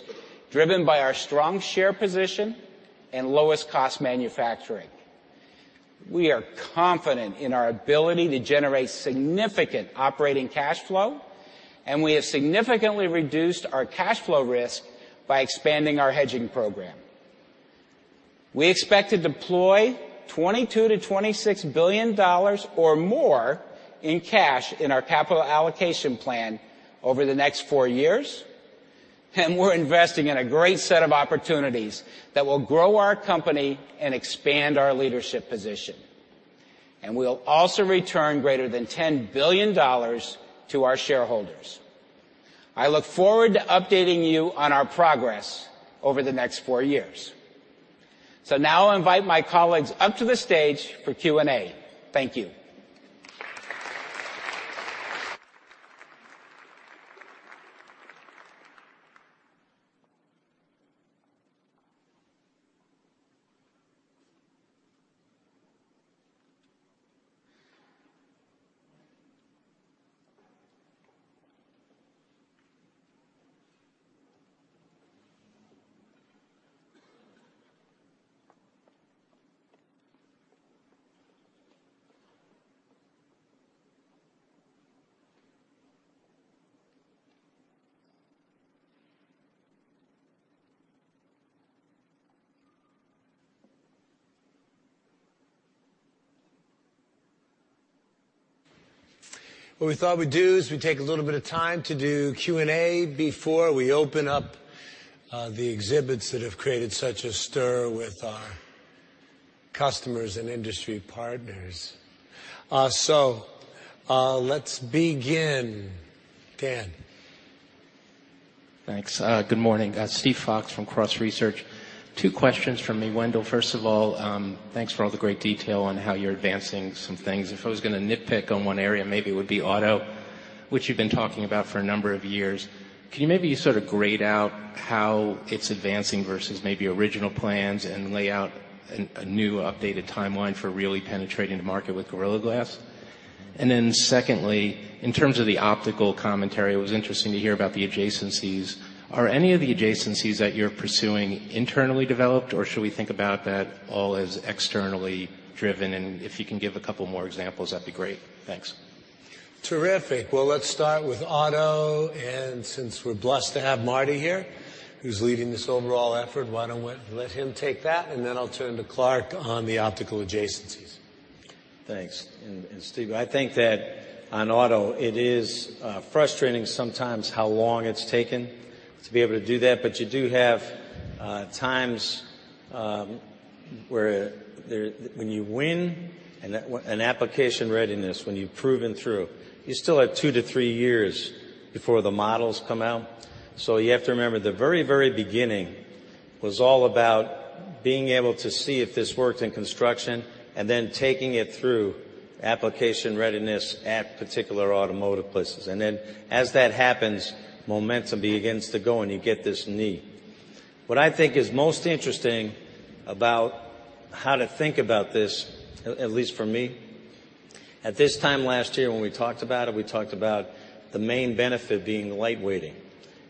driven by our strong share position and lowest-cost manufacturing. We are confident in our ability to generate significant operating cash flow, and we have significantly reduced our cash flow risk by expanding our hedging program. We expect to deploy $22 billion-$26 billion or more in cash in our capital allocation plan over the next four years, and we're investing in a great set of opportunities that will grow our company and expand our leadership position. We'll also return greater than $10 billion to our shareholders. I look forward to updating you on our progress over the next four years. Now I invite my colleagues up to the stage for Q&A. Thank you. What we thought we'd do is we take a little bit of time to do Q&A before we open up the exhibits that have created such a stir with our customers and industry partners. Let's begin. Dan. Thanks. Good morning. Steven Fox from Cross Research. Two questions from me, Wendell. First of all, thanks for all the great detail on how you're advancing some things. If I was going to nitpick on one area, maybe it would be auto, which you've been talking about for a number of years. Can you maybe sort of grade out how it's advancing versus maybe original plans, and lay out a new updated timeline for really penetrating the market with Gorilla Glass? Then secondly, in terms of the optical commentary, it was interesting to hear about the adjacencies. Are any of the adjacencies that you're pursuing internally developed, or should we think about that all as externally driven? And if you can give a couple more examples, that'd be great. Thanks. Terrific. Let's start with auto, since we're blessed to have Marty here, who's leading this overall effort, why don't we let him take that, then I'll turn to Clark on the optical adjacencies. Thanks. Steve, I think that on auto, it is frustrating sometimes how long it's taken to be able to do that. You do have times when you win an application readiness, when you've proven through, you still have two to three years before the models come out. You have to remember, the very, very beginning was all about being able to see if this worked in construction then taking it through application readiness at particular automotive places. As that happens, momentum begins to go, you get this need. What I think is most interesting about how to think about this, at least for me, at this time last year when we talked about it, we talked about the main benefit being light weighting.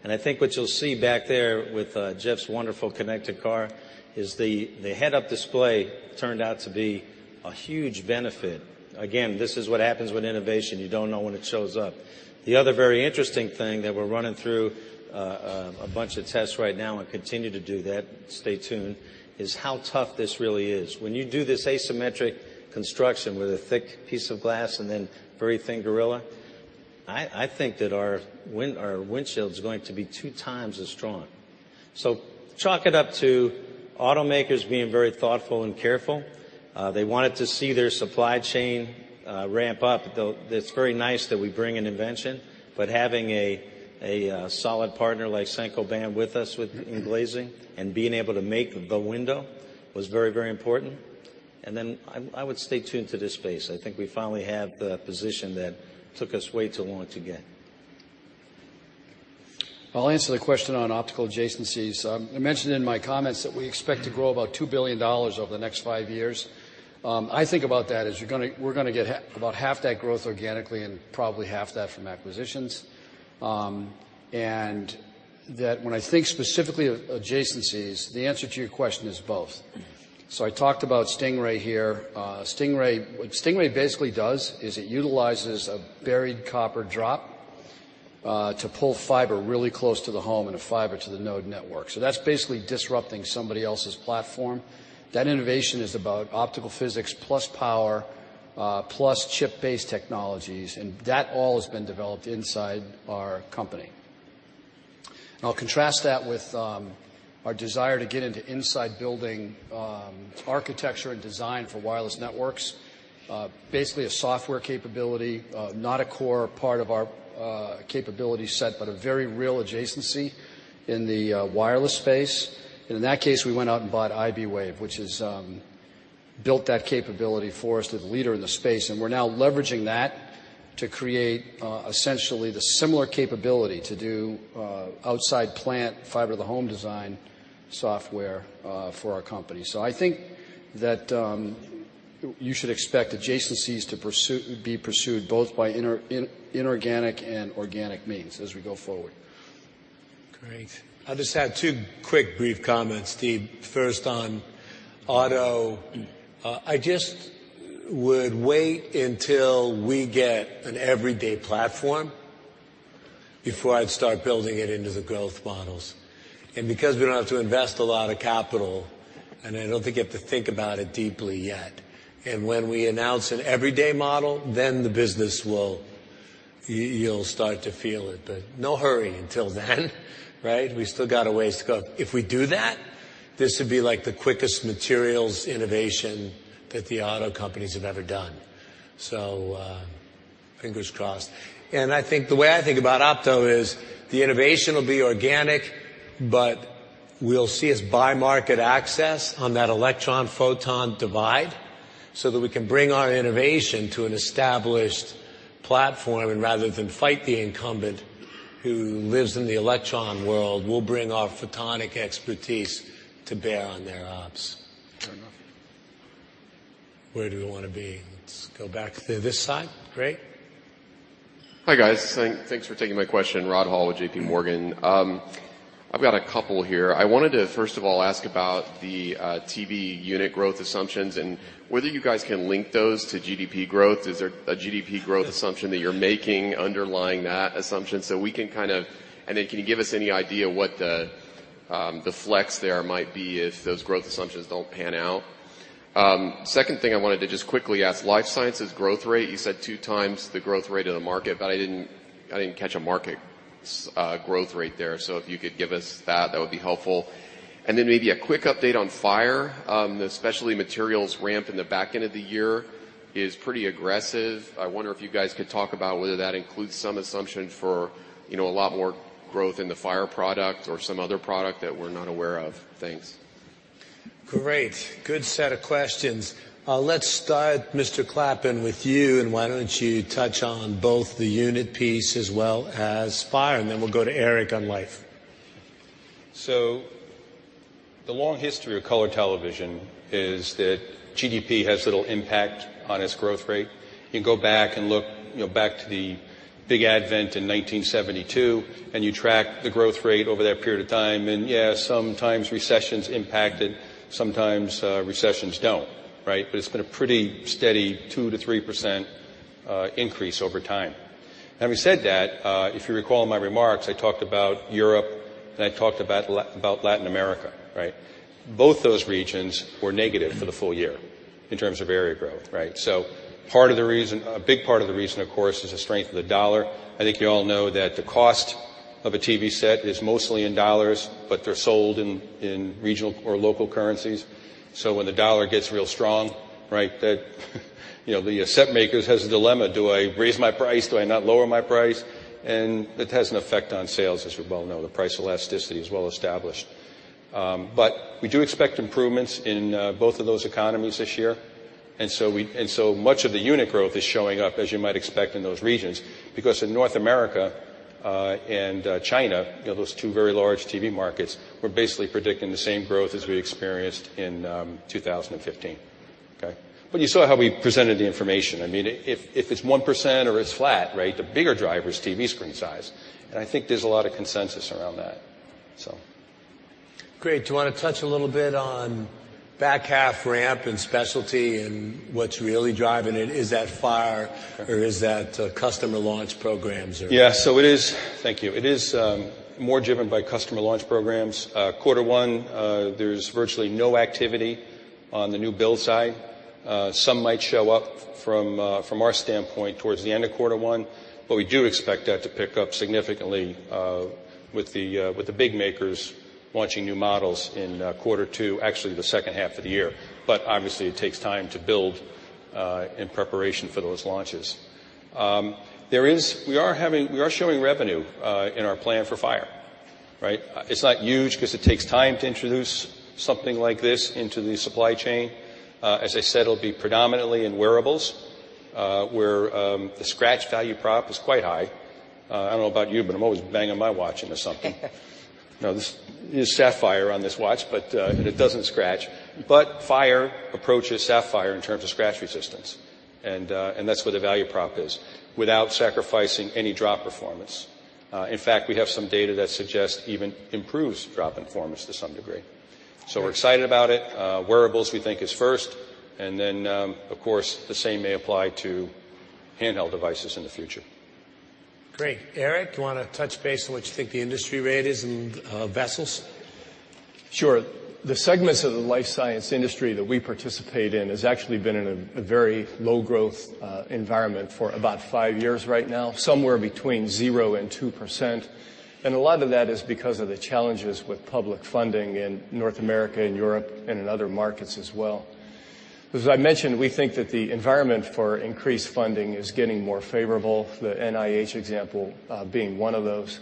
I think what you'll see back there with Jeff's wonderful connected car is the head-up display turned out to be a huge benefit. Again, this is what happens with innovation. You don't know when it shows up. The other very interesting thing that we're running through a bunch of tests right now and continue to do that, stay tuned, is how tough this really is. When you do this asymmetric construction with a thick piece of glass then very thin Gorilla, I think that our windshield's going to be two times as strong. Chalk it up to automakers being very thoughtful and careful. They wanted to see their supply chain ramp up. It's very nice that we bring an invention, having a solid partner like Saint-Gobain with us in glazing and being able to make the window was very, very important. Then I would stay tuned to this space. I think we finally have the position that took us way too long to get. I'll answer the question on optical adjacencies. I mentioned in my comments that we expect to grow about $2 billion over the next 5 years. I think about that as we're going to get about half that growth organically and probably half that from acquisitions. When I think specifically of adjacencies, the answer to your question is both. I talked about Stingray here. What Stingray basically does is it utilizes a buried copper drop to pull fiber really close to the home and a fiber to the node network. That's basically disrupting somebody else's platform. That innovation is about optical physics plus power, plus chip-based technologies, and that all has been developed inside our company. I'll contrast that with our desire to get into inside building architecture and design for wireless networks. Basically, a software capability, not a core part of our capability set, but a very real adjacency in the wireless space. In that case, we went out and bought iBwave, which has built that capability for us as a leader in the space, and we're now leveraging that to create essentially the similar capability to do outside plant fiber-to-the-home design software for our company. I think that you should expect adjacencies to be pursued both by inorganic and organic means as we go forward. Great. I just had two quick brief comments, Steve. First, on auto, I just would wait until we get an everyday platform before I'd start building it into the growth models. Because we don't have to invest a lot of capital, and I don't think you have to think about it deeply yet. When we announce an everyday model, then You'll start to feel it, but no hurry until then, right? We still got a ways to go. If we do that, this would be like the quickest materials innovation that the auto companies have ever done. Fingers crossed. The way I think about opto is the innovation will be organic, but we'll see us buy market access on that electron-photon divide so that we can bring our innovation to an established platform, and rather than fight the incumbent who lives in the electron world, we'll bring our photonic expertise to bear on their ops. Fair enough. Where do we want to be? Let's go back to this side. Great. Hi, guys. Thanks for taking my question. Rod Hall with J.P. Morgan. I've got a couple here. I wanted to first of all ask about the TV unit growth assumptions and whether you guys can link those to GDP growth. Is there a GDP growth assumption that you're making underlying that assumption so we can kind of. Then can you give us any idea what the flex there might be if those growth assumptions don't pan out? Second thing I wanted to just quickly ask, life sciences growth rate, you said two times the growth rate of the market, but I didn't catch a market growth rate there, so if you could give us that would be helpful. Then maybe a quick update on Phire, the specialty materials ramp in the back end of the year is pretty aggressive. I wonder if you guys could talk about whether that includes some assumption for a lot more growth in the Phire product or some other product that we're not aware of. Thanks. Great. Good set of questions. Let's start, Mr. Clappin, with you, and why don't you touch on both the unit piece as well as Phire, and then we'll go to Eric on life. The long history of color television is that GDP has little impact on its growth rate. You can go back and look back to the big advent in 1972, you track the growth rate over that period of time, and yeah, sometimes recessions impact it, sometimes recessions don't. It's been a pretty steady 2%-3% increase over time. Having said that, if you recall in my remarks, I talked about Europe and I talked about Latin America. Both those regions were negative for the full year in terms of area growth. A big part of the reason, of course, is the strength of the dollar. I think you all know that the cost of a TV set is mostly in dollars, but they're sold in regional or local currencies. When the dollar gets real strong, the set makers has a dilemma. Do I raise my price? Do I not lower my price? It has an effect on sales, as we well know. The price elasticity is well-established. We do expect improvements in both of those economies this year, and so much of the unit growth is showing up, as you might expect, in those regions, because in North America and China, those two very large TV markets, we're basically predicting the same growth as we experienced in 2015. You saw how we presented the information. If it's 1% or it's flat, the bigger driver is TV screen size, and I think there's a lot of consensus around that. Great. Do you want to touch a little bit on back half ramp and specialty and what's really driving it? Is that Phire or is that customer launch programs or Yeah. Thank you. It is more driven by customer launch programs. Quarter 1, there's virtually no activity on the new build side. Some might show up from our standpoint towards the end of quarter 1, but we do expect that to pick up significantly, with the big makers launching new models in quarter 2, actually the second half of the year. Obviously, it takes time to build in preparation for those launches. We are showing revenue in our plan for Phire. It's not huge because it takes time to introduce something like this into the supply chain. As I said, it'll be predominantly in wearables, where the scratch value prop is quite high. I don't know about you, but I'm always banging my watch into something. There's sapphire on this watch, and it doesn't scratch. Phire approaches sapphire in terms of scratch resistance, and that's where the value prop is, without sacrificing any drop performance. In fact, we have some data that suggests even improves drop performance to some degree. We're excited about it. Wearables we think is first, and then, of course, the same may apply to Handheld devices in the future. Great. Eric, you want to touch base on what you think the industry rate is in vessels? Sure. The segments of the life science industry that we participate in has actually been in a very low growth environment for about five years right now, somewhere between 0%-2%. A lot of that is because of the challenges with public funding in North America and Europe and in other markets as well. As I mentioned, we think that the environment for increased funding is getting more favorable, the NIH example being one of those.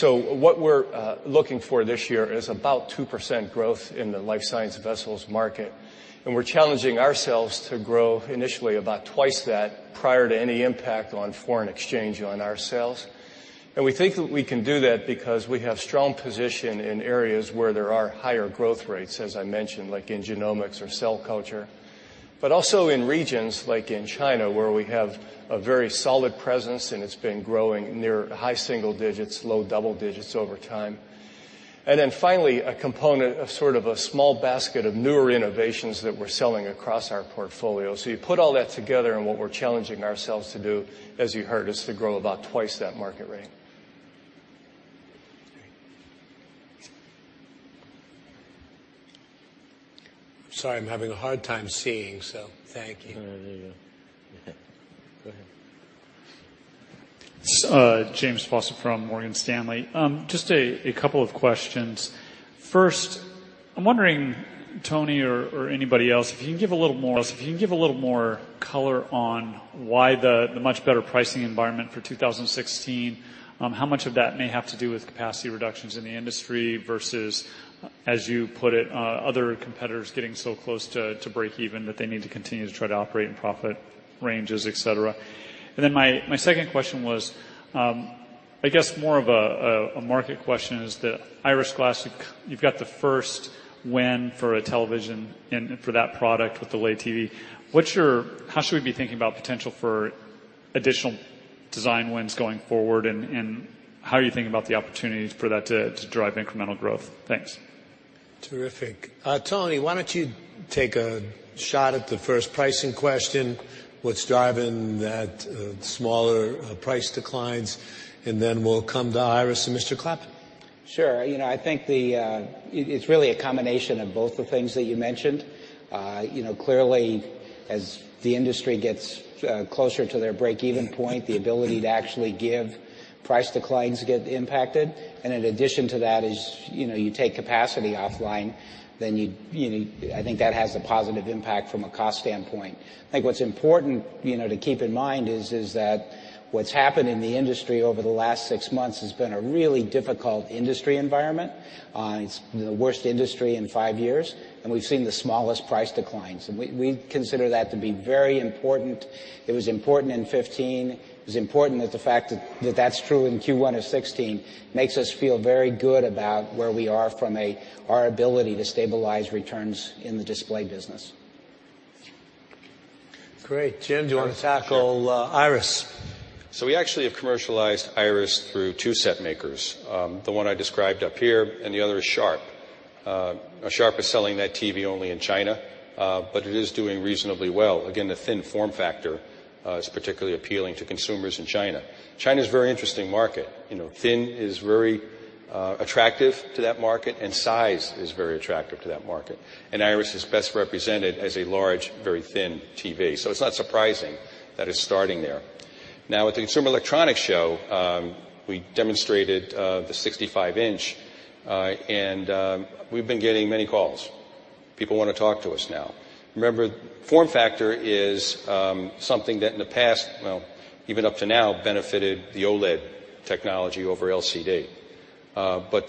What we're looking for this year is about 2% growth in the life science vessels market, and we're challenging ourselves to grow initially about twice that prior to any impact on foreign exchange on our sales. We think that we can do that because we have strong position in areas where there are higher growth rates, as I mentioned, like in genomics or cell culture. Also in regions like in China, where we have a very solid presence and it's been growing near high single digits, low double digits over time. Finally, a component of sort of a small basket of newer innovations that we're selling across our portfolio. You put all that together and what we're challenging ourselves to do, as you heard, is to grow about twice that market rate. Sorry, I'm having a hard time seeing, so thank you. There you go. Go ahead. James Faucette from Morgan Stanley. Just a couple of questions. First, I'm wondering, Tony or anybody else, if you can give a little more color on why the much better pricing environment for 2016, how much of that may have to do with capacity reductions in the industry versus, as you put it, other competitors getting so close to break even that they need to continue to try to operate in profit ranges, et cetera. My second question was, I guess more of a market question, is the Iris Glass, you've got the first win for a television and for that product with the LeTV. How should we be thinking about potential for additional design wins going forward, and how are you thinking about the opportunities for that to drive incremental growth? Thanks. Terrific. Tony, why don't you take a shot at the first pricing question, what's driving that smaller price declines, then we'll come to Iris and Mr. Clappin. Sure. I think it's really a combination of both the things that you mentioned. Clearly as the industry gets closer to their break-even point, the ability to actually give price declines get impacted. In addition to that is, you take capacity offline, then I think that has a positive impact from a cost standpoint. I think what's important to keep in mind is that what's happened in the industry over the last six months has been a really difficult industry environment. It's the worst industry in five years, we've seen the smallest price declines, we consider that to be very important. It was important in 2015. It was important that the fact that that's true in Q1 of 2016 makes us feel very good about where we are from our ability to stabilize returns in the display business. Great. Jim, do you want to tackle Iris? We actually have commercialized Iris through two set makers. The one I described up here, and the other is Sharp. Sharp is selling that TV only in China, but it is doing reasonably well. Again, the thin form factor is particularly appealing to consumers in China. China's a very interesting market. Thin is very attractive to that market, and size is very attractive to that market. Iris is best represented as a large, very thin TV. It's not surprising that it's starting there. Now, at the Consumer Electronics Show, we demonstrated the 65 inch, and we've been getting many calls. People want to talk to us now. Remember, form factor is something that in the past, well, even up to now, benefited the OLED technology over LCD.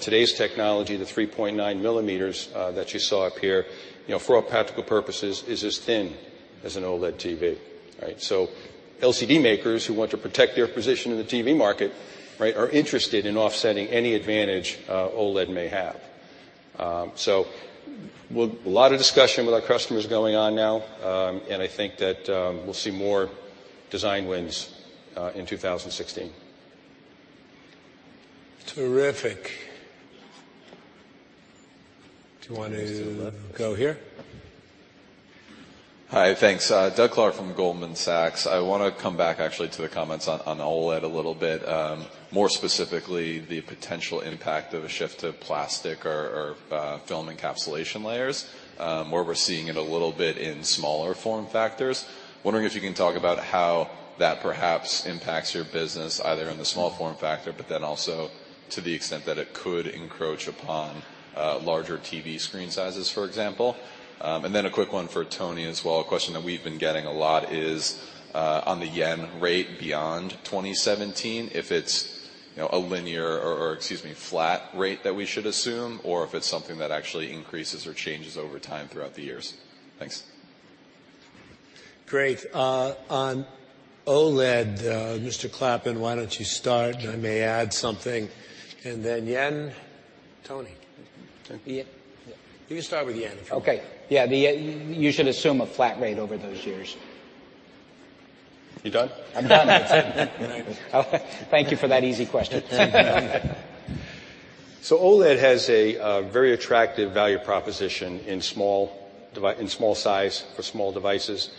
Today's technology, the 3.9 millimeters that you saw up here, for all practical purposes, is as thin as an OLED TV. LCD makers who want to protect their position in the TV market are interested in offsetting any advantage OLED may have. A lot of discussion with our customers going on now, and I think that we'll see more design wins in 2016. Terrific. Do you want to go here? Hi. Thanks. Doug Clark from Goldman Sachs. I want to come back actually to the comments on OLED a little bit. More specifically, the potential impact of a shift to plastic or film encapsulation layers, where we're seeing it a little bit in smaller form factors. Wondering if you can talk about how that perhaps impacts your business, either in the small form factor, but then also to the extent that it could encroach upon larger TV screen sizes, for example. A quick one for Tony as well. A question that we've been getting a lot is on the yen rate beyond 2017, if it's a linear or, excuse me, flat rate that we should assume, or if it's something that actually increases or changes over time throughout the years. Thanks. Great. On OLED, Mr. Clappin, why don't you start? I may add something. Yen, Tony. Tony. You can start with yen if you want. Okay. Yeah, you should assume a flat rate over those years. You done? I'm done. Thank you for that easy question. OLED has a very attractive value proposition in small size for small devices.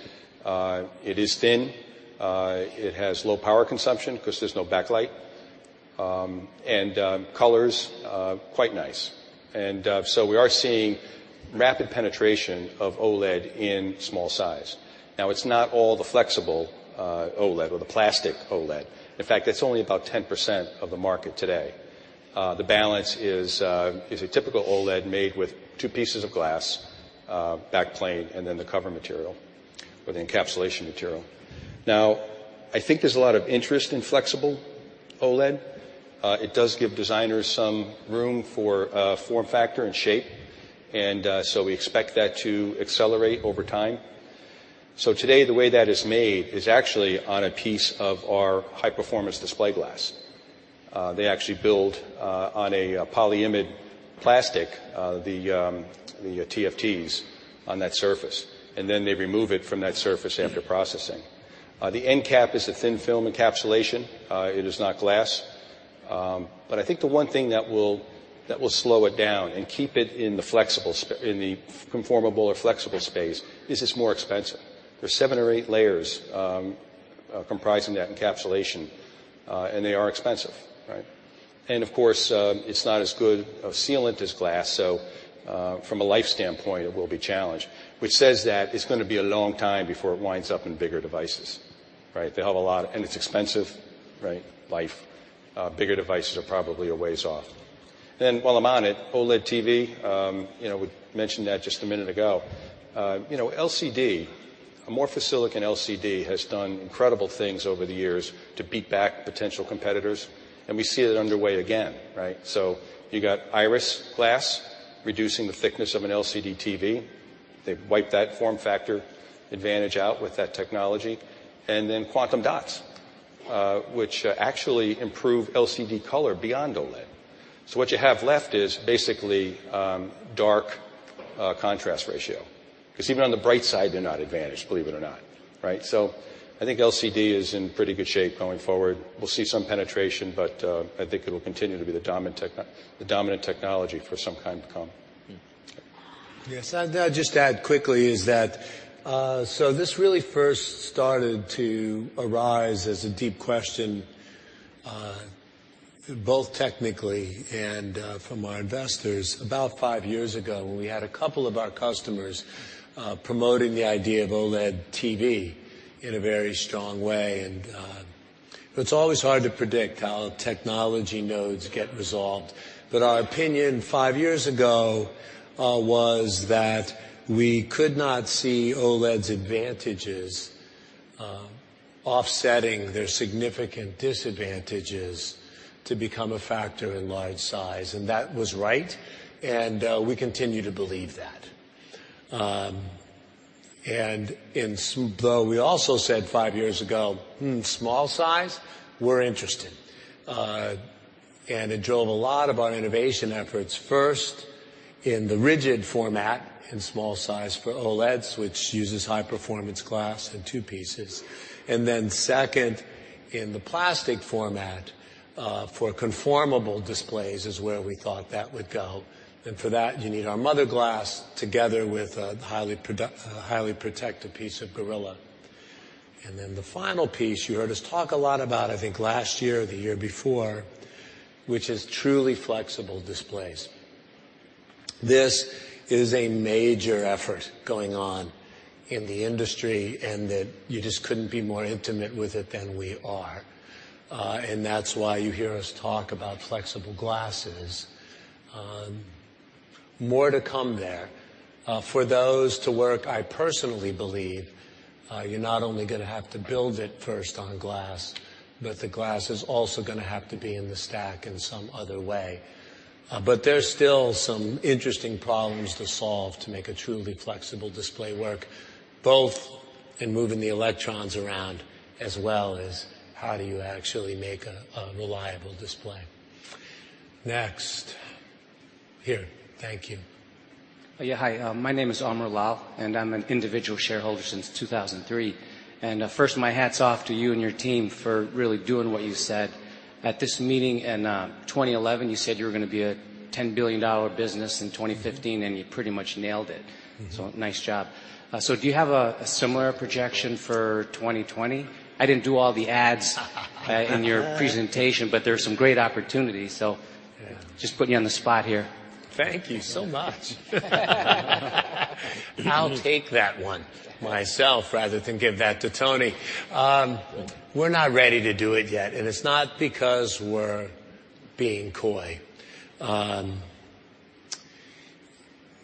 It is thin, it has low power consumption because there's no backlight, and colors are quite nice. We are seeing rapid penetration of OLED in small size. It's not all the flexible OLED or the plastic OLED. In fact, that's only about 10% of the market today. The balance is a typical OLED made with two pieces of glass, back plane, and then the cover material or the encapsulation material. I think there's a lot of interest in flexible OLED. It does give designers some room for form factor and shape, and so we expect that to accelerate over time. Today, the way that is made is actually on a piece of our high-performance display glass. They actually build on a polyimide plastic, the TFTs on that surface, and then they remove it from that surface after processing. The end cap is a thin film encapsulation. It is not glass. I think the one thing that will slow it down and keep it in the conformable or flexible space is it's more expensive. There's seven or eight layers comprising that encapsulation, and they are expensive, right? It's not as good a sealant as glass, so from a life standpoint, it will be challenged, which says that it's going to be a long time before it winds up in bigger devices. Right? It's expensive, right, life, bigger devices are probably a ways off. While I'm on it, OLED TV, we mentioned that just a minute ago. LCD, amorphous silicon LCD has done incredible things over the years to beat back potential competitors. We see it underway again, right? You got Iris Glass reducing the thickness of an LCD TV. They've wiped that form factor advantage out with that technology. Quantum dots, which actually improve LCD color beyond OLED. What you have left is basically dark contrast ratio, because even on the bright side, they're not advantaged, believe it or not. Right? I think LCD is in pretty good shape going forward. We'll see some penetration, but I think it'll continue to be the dominant technology for some time to come. Yes. I'd just add quickly is that, this really first started to arise as a deep question, both technically and from our investors about five years ago when we had a couple of our customers promoting the idea of OLED TV in a very strong way. It's always hard to predict how technology nodes get resolved, but our opinion five years ago was that we could not see OLED's advantages offsetting their significant disadvantages to become a factor in large size. That was right, and we continue to believe that. Though we also said five years ago, "Hmm, small size? We're interested." It drove a lot of our innovation efforts, first in the rigid format in small size for OLEDs, which uses high-performance glass in two pieces. Second, in the plastic format, for conformable displays is where we thought that would go. For that, you need our mother glass together with a highly protective piece of Gorilla. The final piece you heard us talk a lot about, I think, last year or the year before, which is truly flexible displays. This is a major effort going on in the industry, that you just couldn't be more intimate with it than we are. That's why you hear us talk about flexible glasses. More to come there. For those to work, I personally believe you're not only going to have to build it first on glass, but the glass is also going to have to be in the stack in some other way. There's still some interesting problems to solve to make a truly flexible display work, both in moving the electrons around, as well as how do you actually make a reliable display. Next. Here. Thank you. Yeah. Hi, my name is Amar Lal, I'm an individual shareholder since 2003. First, my hat's off to you and your team for really doing what you said at this meeting in 2011. You said you were going to be a $10 billion business in 2015, you pretty much nailed it. Nice job. Do you have a similar projection for 2020? I didn't do all the adds- in your presentation, there's some great opportunities, just put me on the spot here. Thank you so much. I'll take that one myself rather than give that to Tony. We're not ready to do it yet, it's not because we're being coy.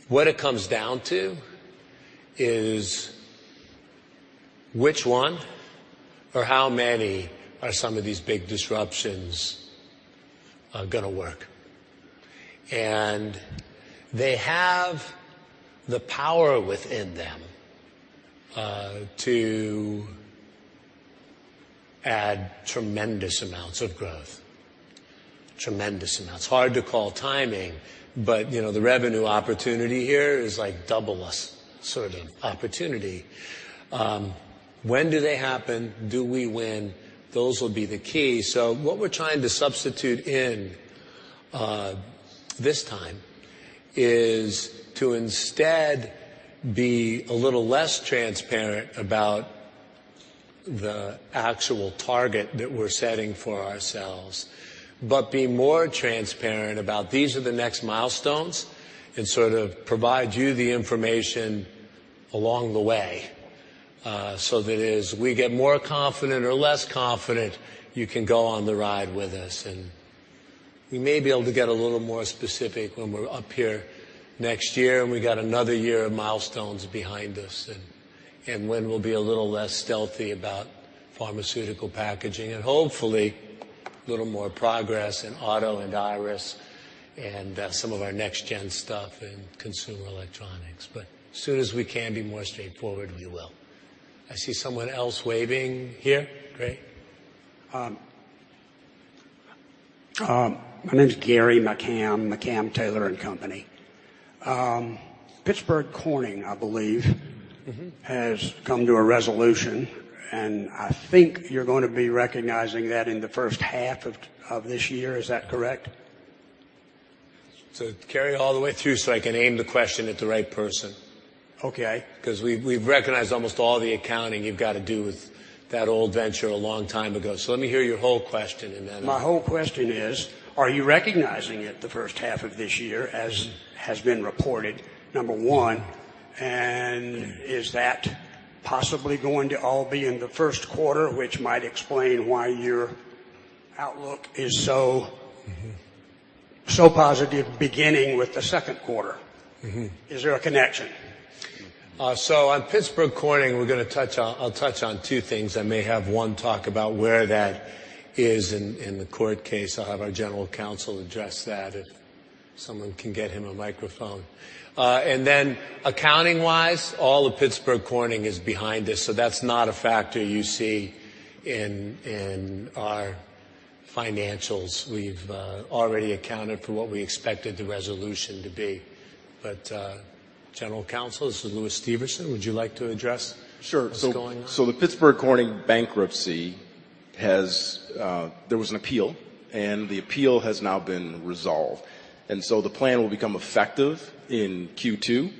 What it comes down to is which one or how many are some of these big disruptions are going to work? They have the power within them to add tremendous amounts of growth. Tremendous amounts. Hard to call timing, the revenue opportunity here is like double us sort of opportunity. When do they happen? Do we win? Those will be the key. What we're trying to substitute in this time is to instead be a little less transparent about the actual target that we're setting for ourselves, be more transparent about these are the next milestones, sort of provide you the information along the way, that as we get more confident or less confident, you can go on the ride with us. We may be able to get a little more specific when we're up here next year, we got another year of milestones behind us, when we'll be a little less stealthy about pharmaceutical packaging and hopefully a little more progress in auto and Iris and some of our next gen stuff in consumer electronics. As soon as we can be more straightforward, we will. I see someone else waving here. Great. My name's Gary McCamm Taylor & Company. Pittsburgh Corning, I believe- has come to a resolution, and I think you're going to be recognizing that in the first half of this year, is that correct? Gary, all the way through so I can aim the question at the right person. Okay. We've recognized almost all the accounting you've got to do with that old venture a long time ago. Let me hear your whole question. My whole question is, are you recognizing it the first half of this year, as has been reported, number one, and is that possibly going to all be in the first quarter, which might explain why your outlook is. Positive beginning with the second quarter? Is there a connection? On Pittsburgh Corning, I'll touch on two things. I may have one talk about where that is in the court case. I'll have our General Counsel address that if someone can get him a microphone. Accounting-wise, all of Pittsburgh Corning is behind this, so that's not a factor you see in our financials. We've already accounted for what we expected the resolution to be. General Counsel, this is Lewis Steverson. Would you like to address what's going on? Sure. The Pittsburgh Corning bankruptcy, there was an appeal, and the appeal has now been resolved. The plan will become effective in Q2,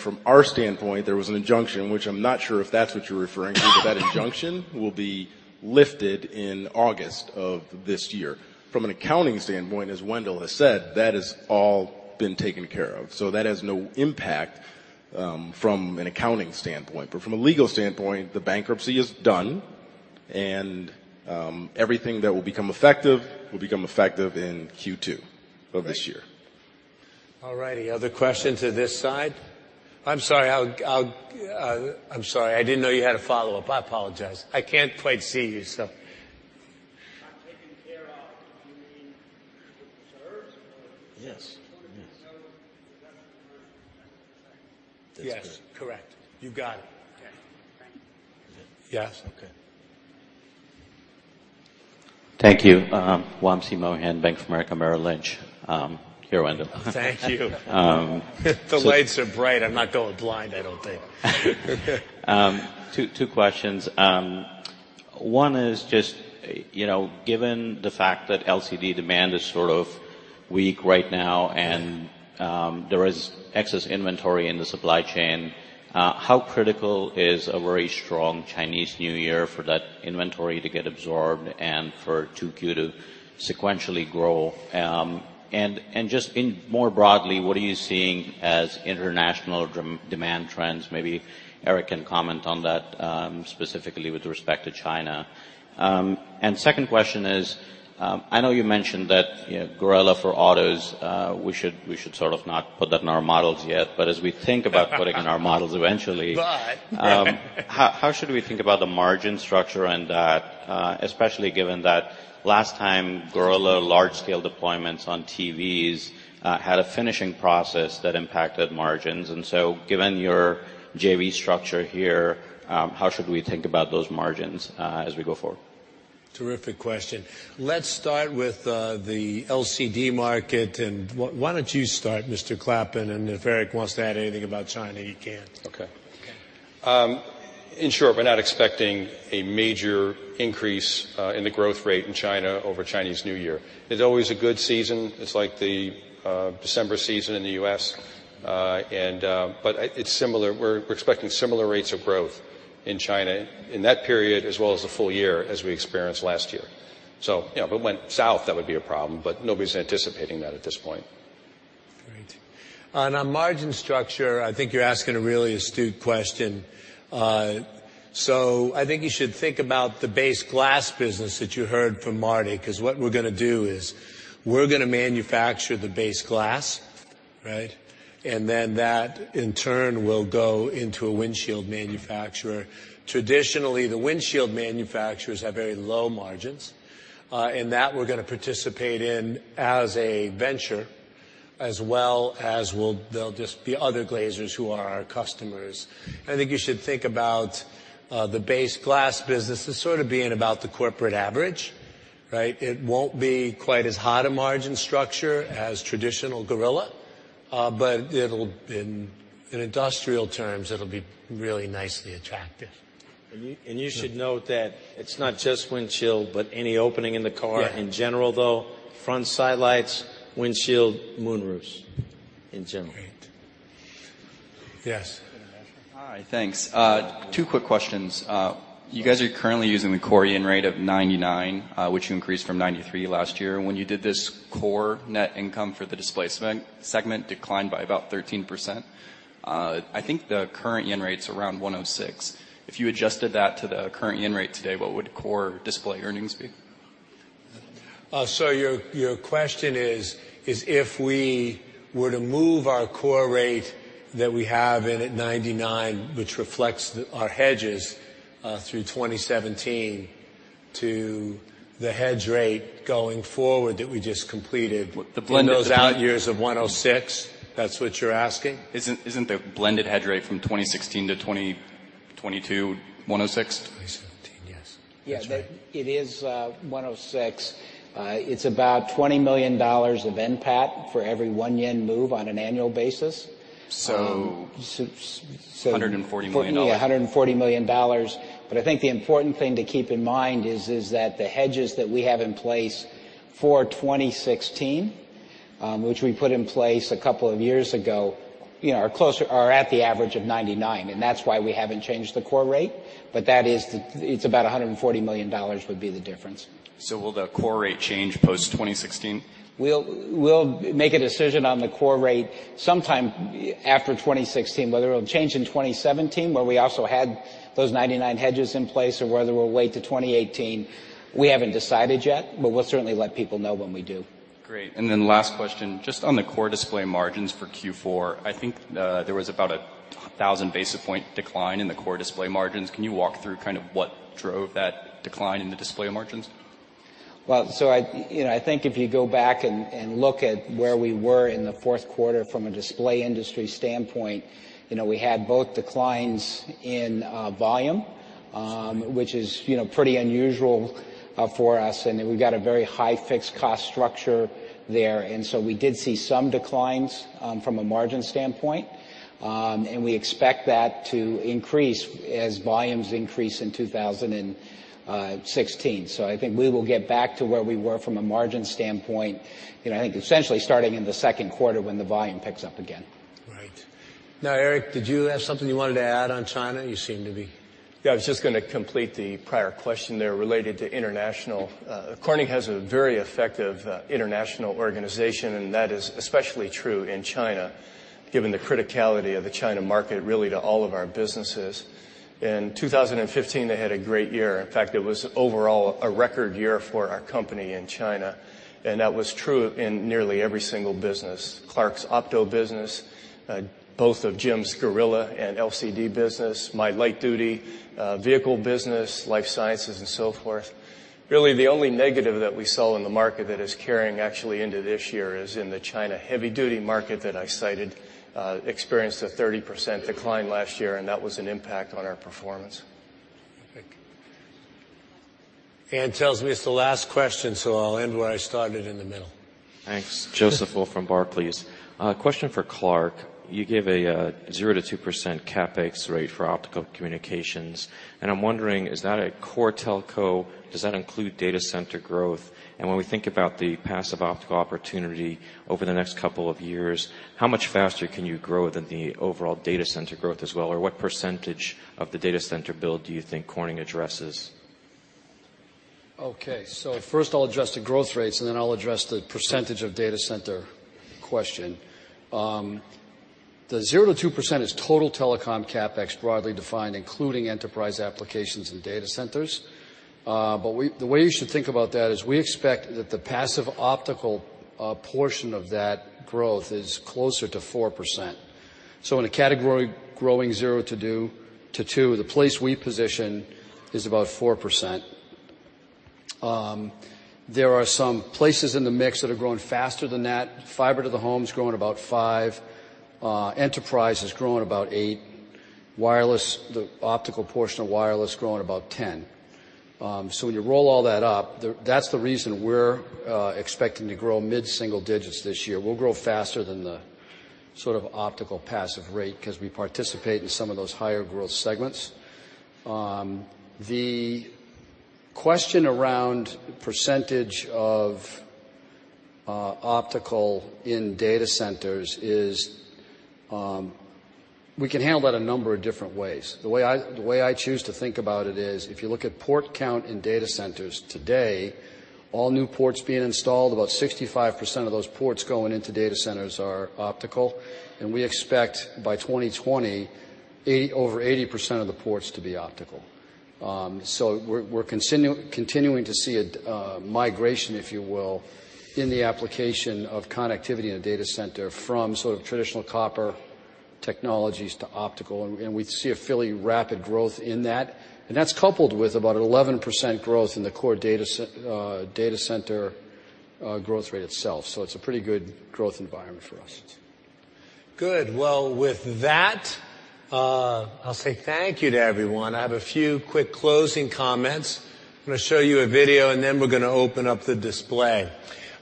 from our standpoint, there was an injunction, which I'm not sure if that's what you're referring to, but that injunction will be lifted in August of this year. From an accounting standpoint, as Wendell has said, that has all been taken care of. That has no impact from an accounting standpoint. From a legal standpoint, the bankruptcy is done, and everything that will become effective will become effective in Q2 of this year. All righty. Other questions at this side? I'm sorry, I didn't know you had a follow-up. I apologize. I can't quite see you. By taken care of, do you mean reserved or? Yes. Yes. Does that mean the second quarter? That's correct. Yes. Correct. You got it. Okay. Thank you. Yes. Okay. Thank you. Wamsi Mohan, Bank of America Merrill Lynch. Here, Wendell. Thank you. The lights are bright. I'm not going blind, I don't think. Two questions. One is just, given the fact that LCD demand is sort of weak right now, and there is excess inventory in the supply chain, how critical is a very strong Chinese New Year for that inventory to get absorbed and for 2Q to sequentially grow? Just more broadly, what are you seeing as international demand trends? Maybe Eric can comment on that, specifically with respect to China. Second question is, I know you mentioned that Gorilla for autos, we should sort of not put that in our models yet, but as we think about putting in our models eventually- But how should we think about the margin structure in that, especially given that last time Gorilla large scale deployments on TVs had a finishing process that impacted margins. Given your JV structure here, how should we think about those margins as we go forward? Terrific question. Let's start with the LCD market. Why don't you start, Mr. Clappin, if Eric wants to add anything about China, he can. Okay. Okay. In short, we're not expecting a major increase in the growth rate in China over Chinese New Year. It's always a good season. It's like the December season in the U.S., it's similar. We're expecting similar rates of growth in China in that period as well as the full year as we experienced last year. If it went south, that would be a problem, nobody's anticipating that at this point. Great. On margin structure, I think you're asking a really astute question. I think you should think about the base glass business that you heard from Marty, because what we're going to do is we're going to manufacture the base glass, right? That in turn will go into a windshield manufacturer. Traditionally, the windshield manufacturers have very low margins, that we're going to participate in as a venture as well as there'll just be other glaziers who are our customers. I think you should think about the base glass business as sort of being about the corporate average, right? It won't be quite as hot a margin structure as traditional Gorilla Glass. In industrial terms, it'll be really nicely attractive. You should note that it's not just windshield, but any opening in the car- Yeah in general, though, front side lights, windshield, moon roofs, in general. Great. Yes. Hi. Thanks. Two quick questions. You guys are currently using the core yen rate of 99, which you increased from 93 last year. When you did this, core net income for the display segment declined by about 13%. I think the current yen rate's around 106. If you adjusted that to the current yen rate today, what would core display earnings be? Your question is, if we were to move our core rate that we have in at 99, which reflects our hedges through 2017 to the hedge rate going forward that we just completed. The blended- in those out years of 106. That's what you're asking? Isn't the blended hedge rate from 2016 to 2022 106? 2017, yes. That's right. It is 106. It's about JPY 20 million of NPAT for every one JPY move on an annual basis. 140 million. JPY 140 million. I think the important thing to keep in mind is that the hedges that we have in place for 2016, which we put in place a couple of years ago, are at the average of 99, and that's why we haven't changed the core rate. It's about JPY 140 million would be the difference. Will the core rate change post-2016? We'll make a decision on the core rate sometime after 2016, whether it'll change in 2017, where we also had those 99 hedges in place, or whether we'll wait till 2018, we haven't decided yet, but we'll certainly let people know when we do. Last question, just on the core display margins for Q4, I think there was about 1,000 basis point decline in the core display margins. Can you walk through what drove that decline in the display margins? I think if you go back and look at where we were in the fourth quarter from a display industry standpoint, we had both declines in volume, which is pretty unusual for us. We've got a very high fixed cost structure there. We did see some declines from a margin standpoint. We expect that to increase as volumes increase in 2016. I think we will get back to where we were from a margin standpoint, I think essentially starting in the second quarter when the volume picks up again. Right. Now, Eric, did you have something you wanted to add on China? You seem to be. Yeah, I was just going to complete the prior question there related to international. Corning has a very effective international organization, that is especially true in China, given the criticality of the China market, really, to all of our businesses. In 2015, they had a great year. In fact, it was overall a record year for our company in China, that was true in nearly every single business. Clark's opto business, both of Jim's Gorilla and LCD business, my light-duty vehicle business, life sciences, and so forth. Really, the only negative that we saw in the market that is carrying actually into this year is in the China heavy-duty market that I cited, experienced a 30% decline last year, that was an impact on our performance. Okay. Ann tells me it's the last question, I'll end where I started in the middle. Thanks. Joseph Wolf from Barclays. A question for Clark. You gave a 0%-2% CapEx rate for Optical Communications, I'm wondering, is that a core telco? Does that include data center growth? When we think about the passive optical opportunity over the next couple of years, how much faster can you grow than the overall data center growth as well? What percentage of the data center build do you think Corning addresses? Okay. First I'll address the growth rates, then I'll address the percentage of data center question. The 0%-2% is total telecom CapEx broadly defined, including enterprise applications and data centers. The way you should think about that is we expect that the passive optical portion of that growth is closer to 4%. In a category growing 0-2, the place we position is about 4%. There are some places in the mix that are growing faster than that. Fiber to the home's growing about five. Enterprise is growing about eight. The optical portion of wireless growing about 10. When you roll all that up, that's the reason we're expecting to grow mid-single digits this year. We'll grow faster than the sort of optical passive rate because we participate in some of those higher growth segments. The question around percentage of optical in data centers is, we can handle that a number of different ways. The way I choose to think about it is, if you look at port count in data centers today, all new ports being installed, about 65% of those ports going into data centers are optical, and we expect by 2020, over 80% of the ports to be optical. We're continuing to see a migration, if you will, in the application of connectivity in a data center from sort of traditional copper technologies to optical, and we see a fairly rapid growth in that. That's coupled with about an 11% growth in the core data center growth rate itself. It's a pretty good growth environment for us. Good. Well, with that, I'll say thank you to everyone. I have a few quick closing comments. I'm going to show you a video, and then we're going to open up the display.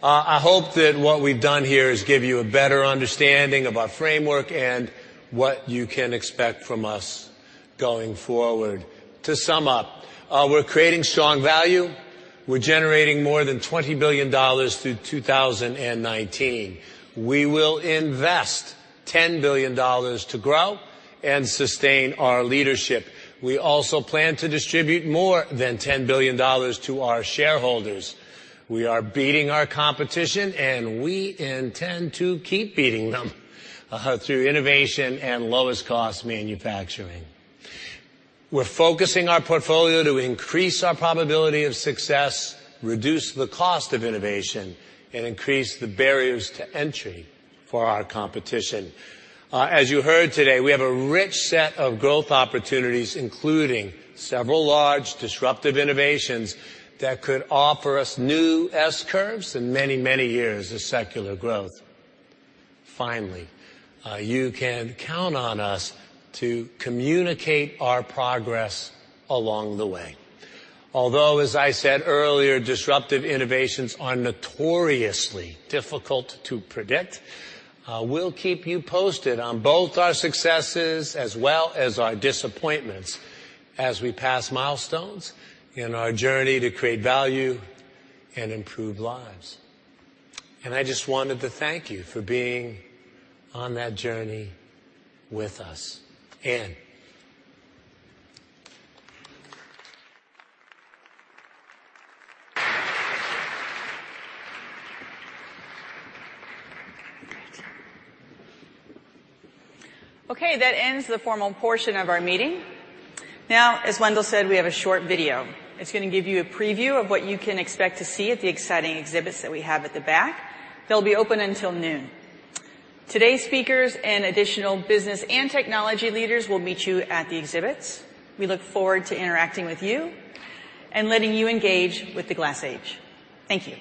I hope that what we've done here is give you a better understanding of our framework and what you can expect from us going forward. To sum up, we're creating strong value. We're generating more than $20 billion through 2019. We will invest $10 billion to grow and sustain our leadership. We also plan to distribute more than $10 billion to our shareholders. We are beating our competition, and we intend to keep beating them through innovation and lowest-cost manufacturing. We're focusing our portfolio to increase our probability of success, reduce the cost of innovation, and increase the barriers to entry for our competition. As you heard today, we have a rich set of growth opportunities, including several large disruptive innovations that could offer us new S-curves and many, many years of secular growth. Finally, you can count on us to communicate our progress along the way. Although, as I said earlier, disruptive innovations are notoriously difficult to predict, we'll keep you posted on both our successes as well as our disappointments as we pass milestones in our journey to create value and improve lives. I just wanted to thank you for being on that journey with us. Ann? Okay. That ends the formal portion of our meeting. Now, as Wendell said, we have a short video. It's going to give you a preview of what you can expect to see at the exciting exhibits that we have at the back. They'll be open until noon. Today's speakers and additional business and technology leaders will meet you at the exhibits. We look forward to interacting with you and letting you engage with the Glass Age. Thank you.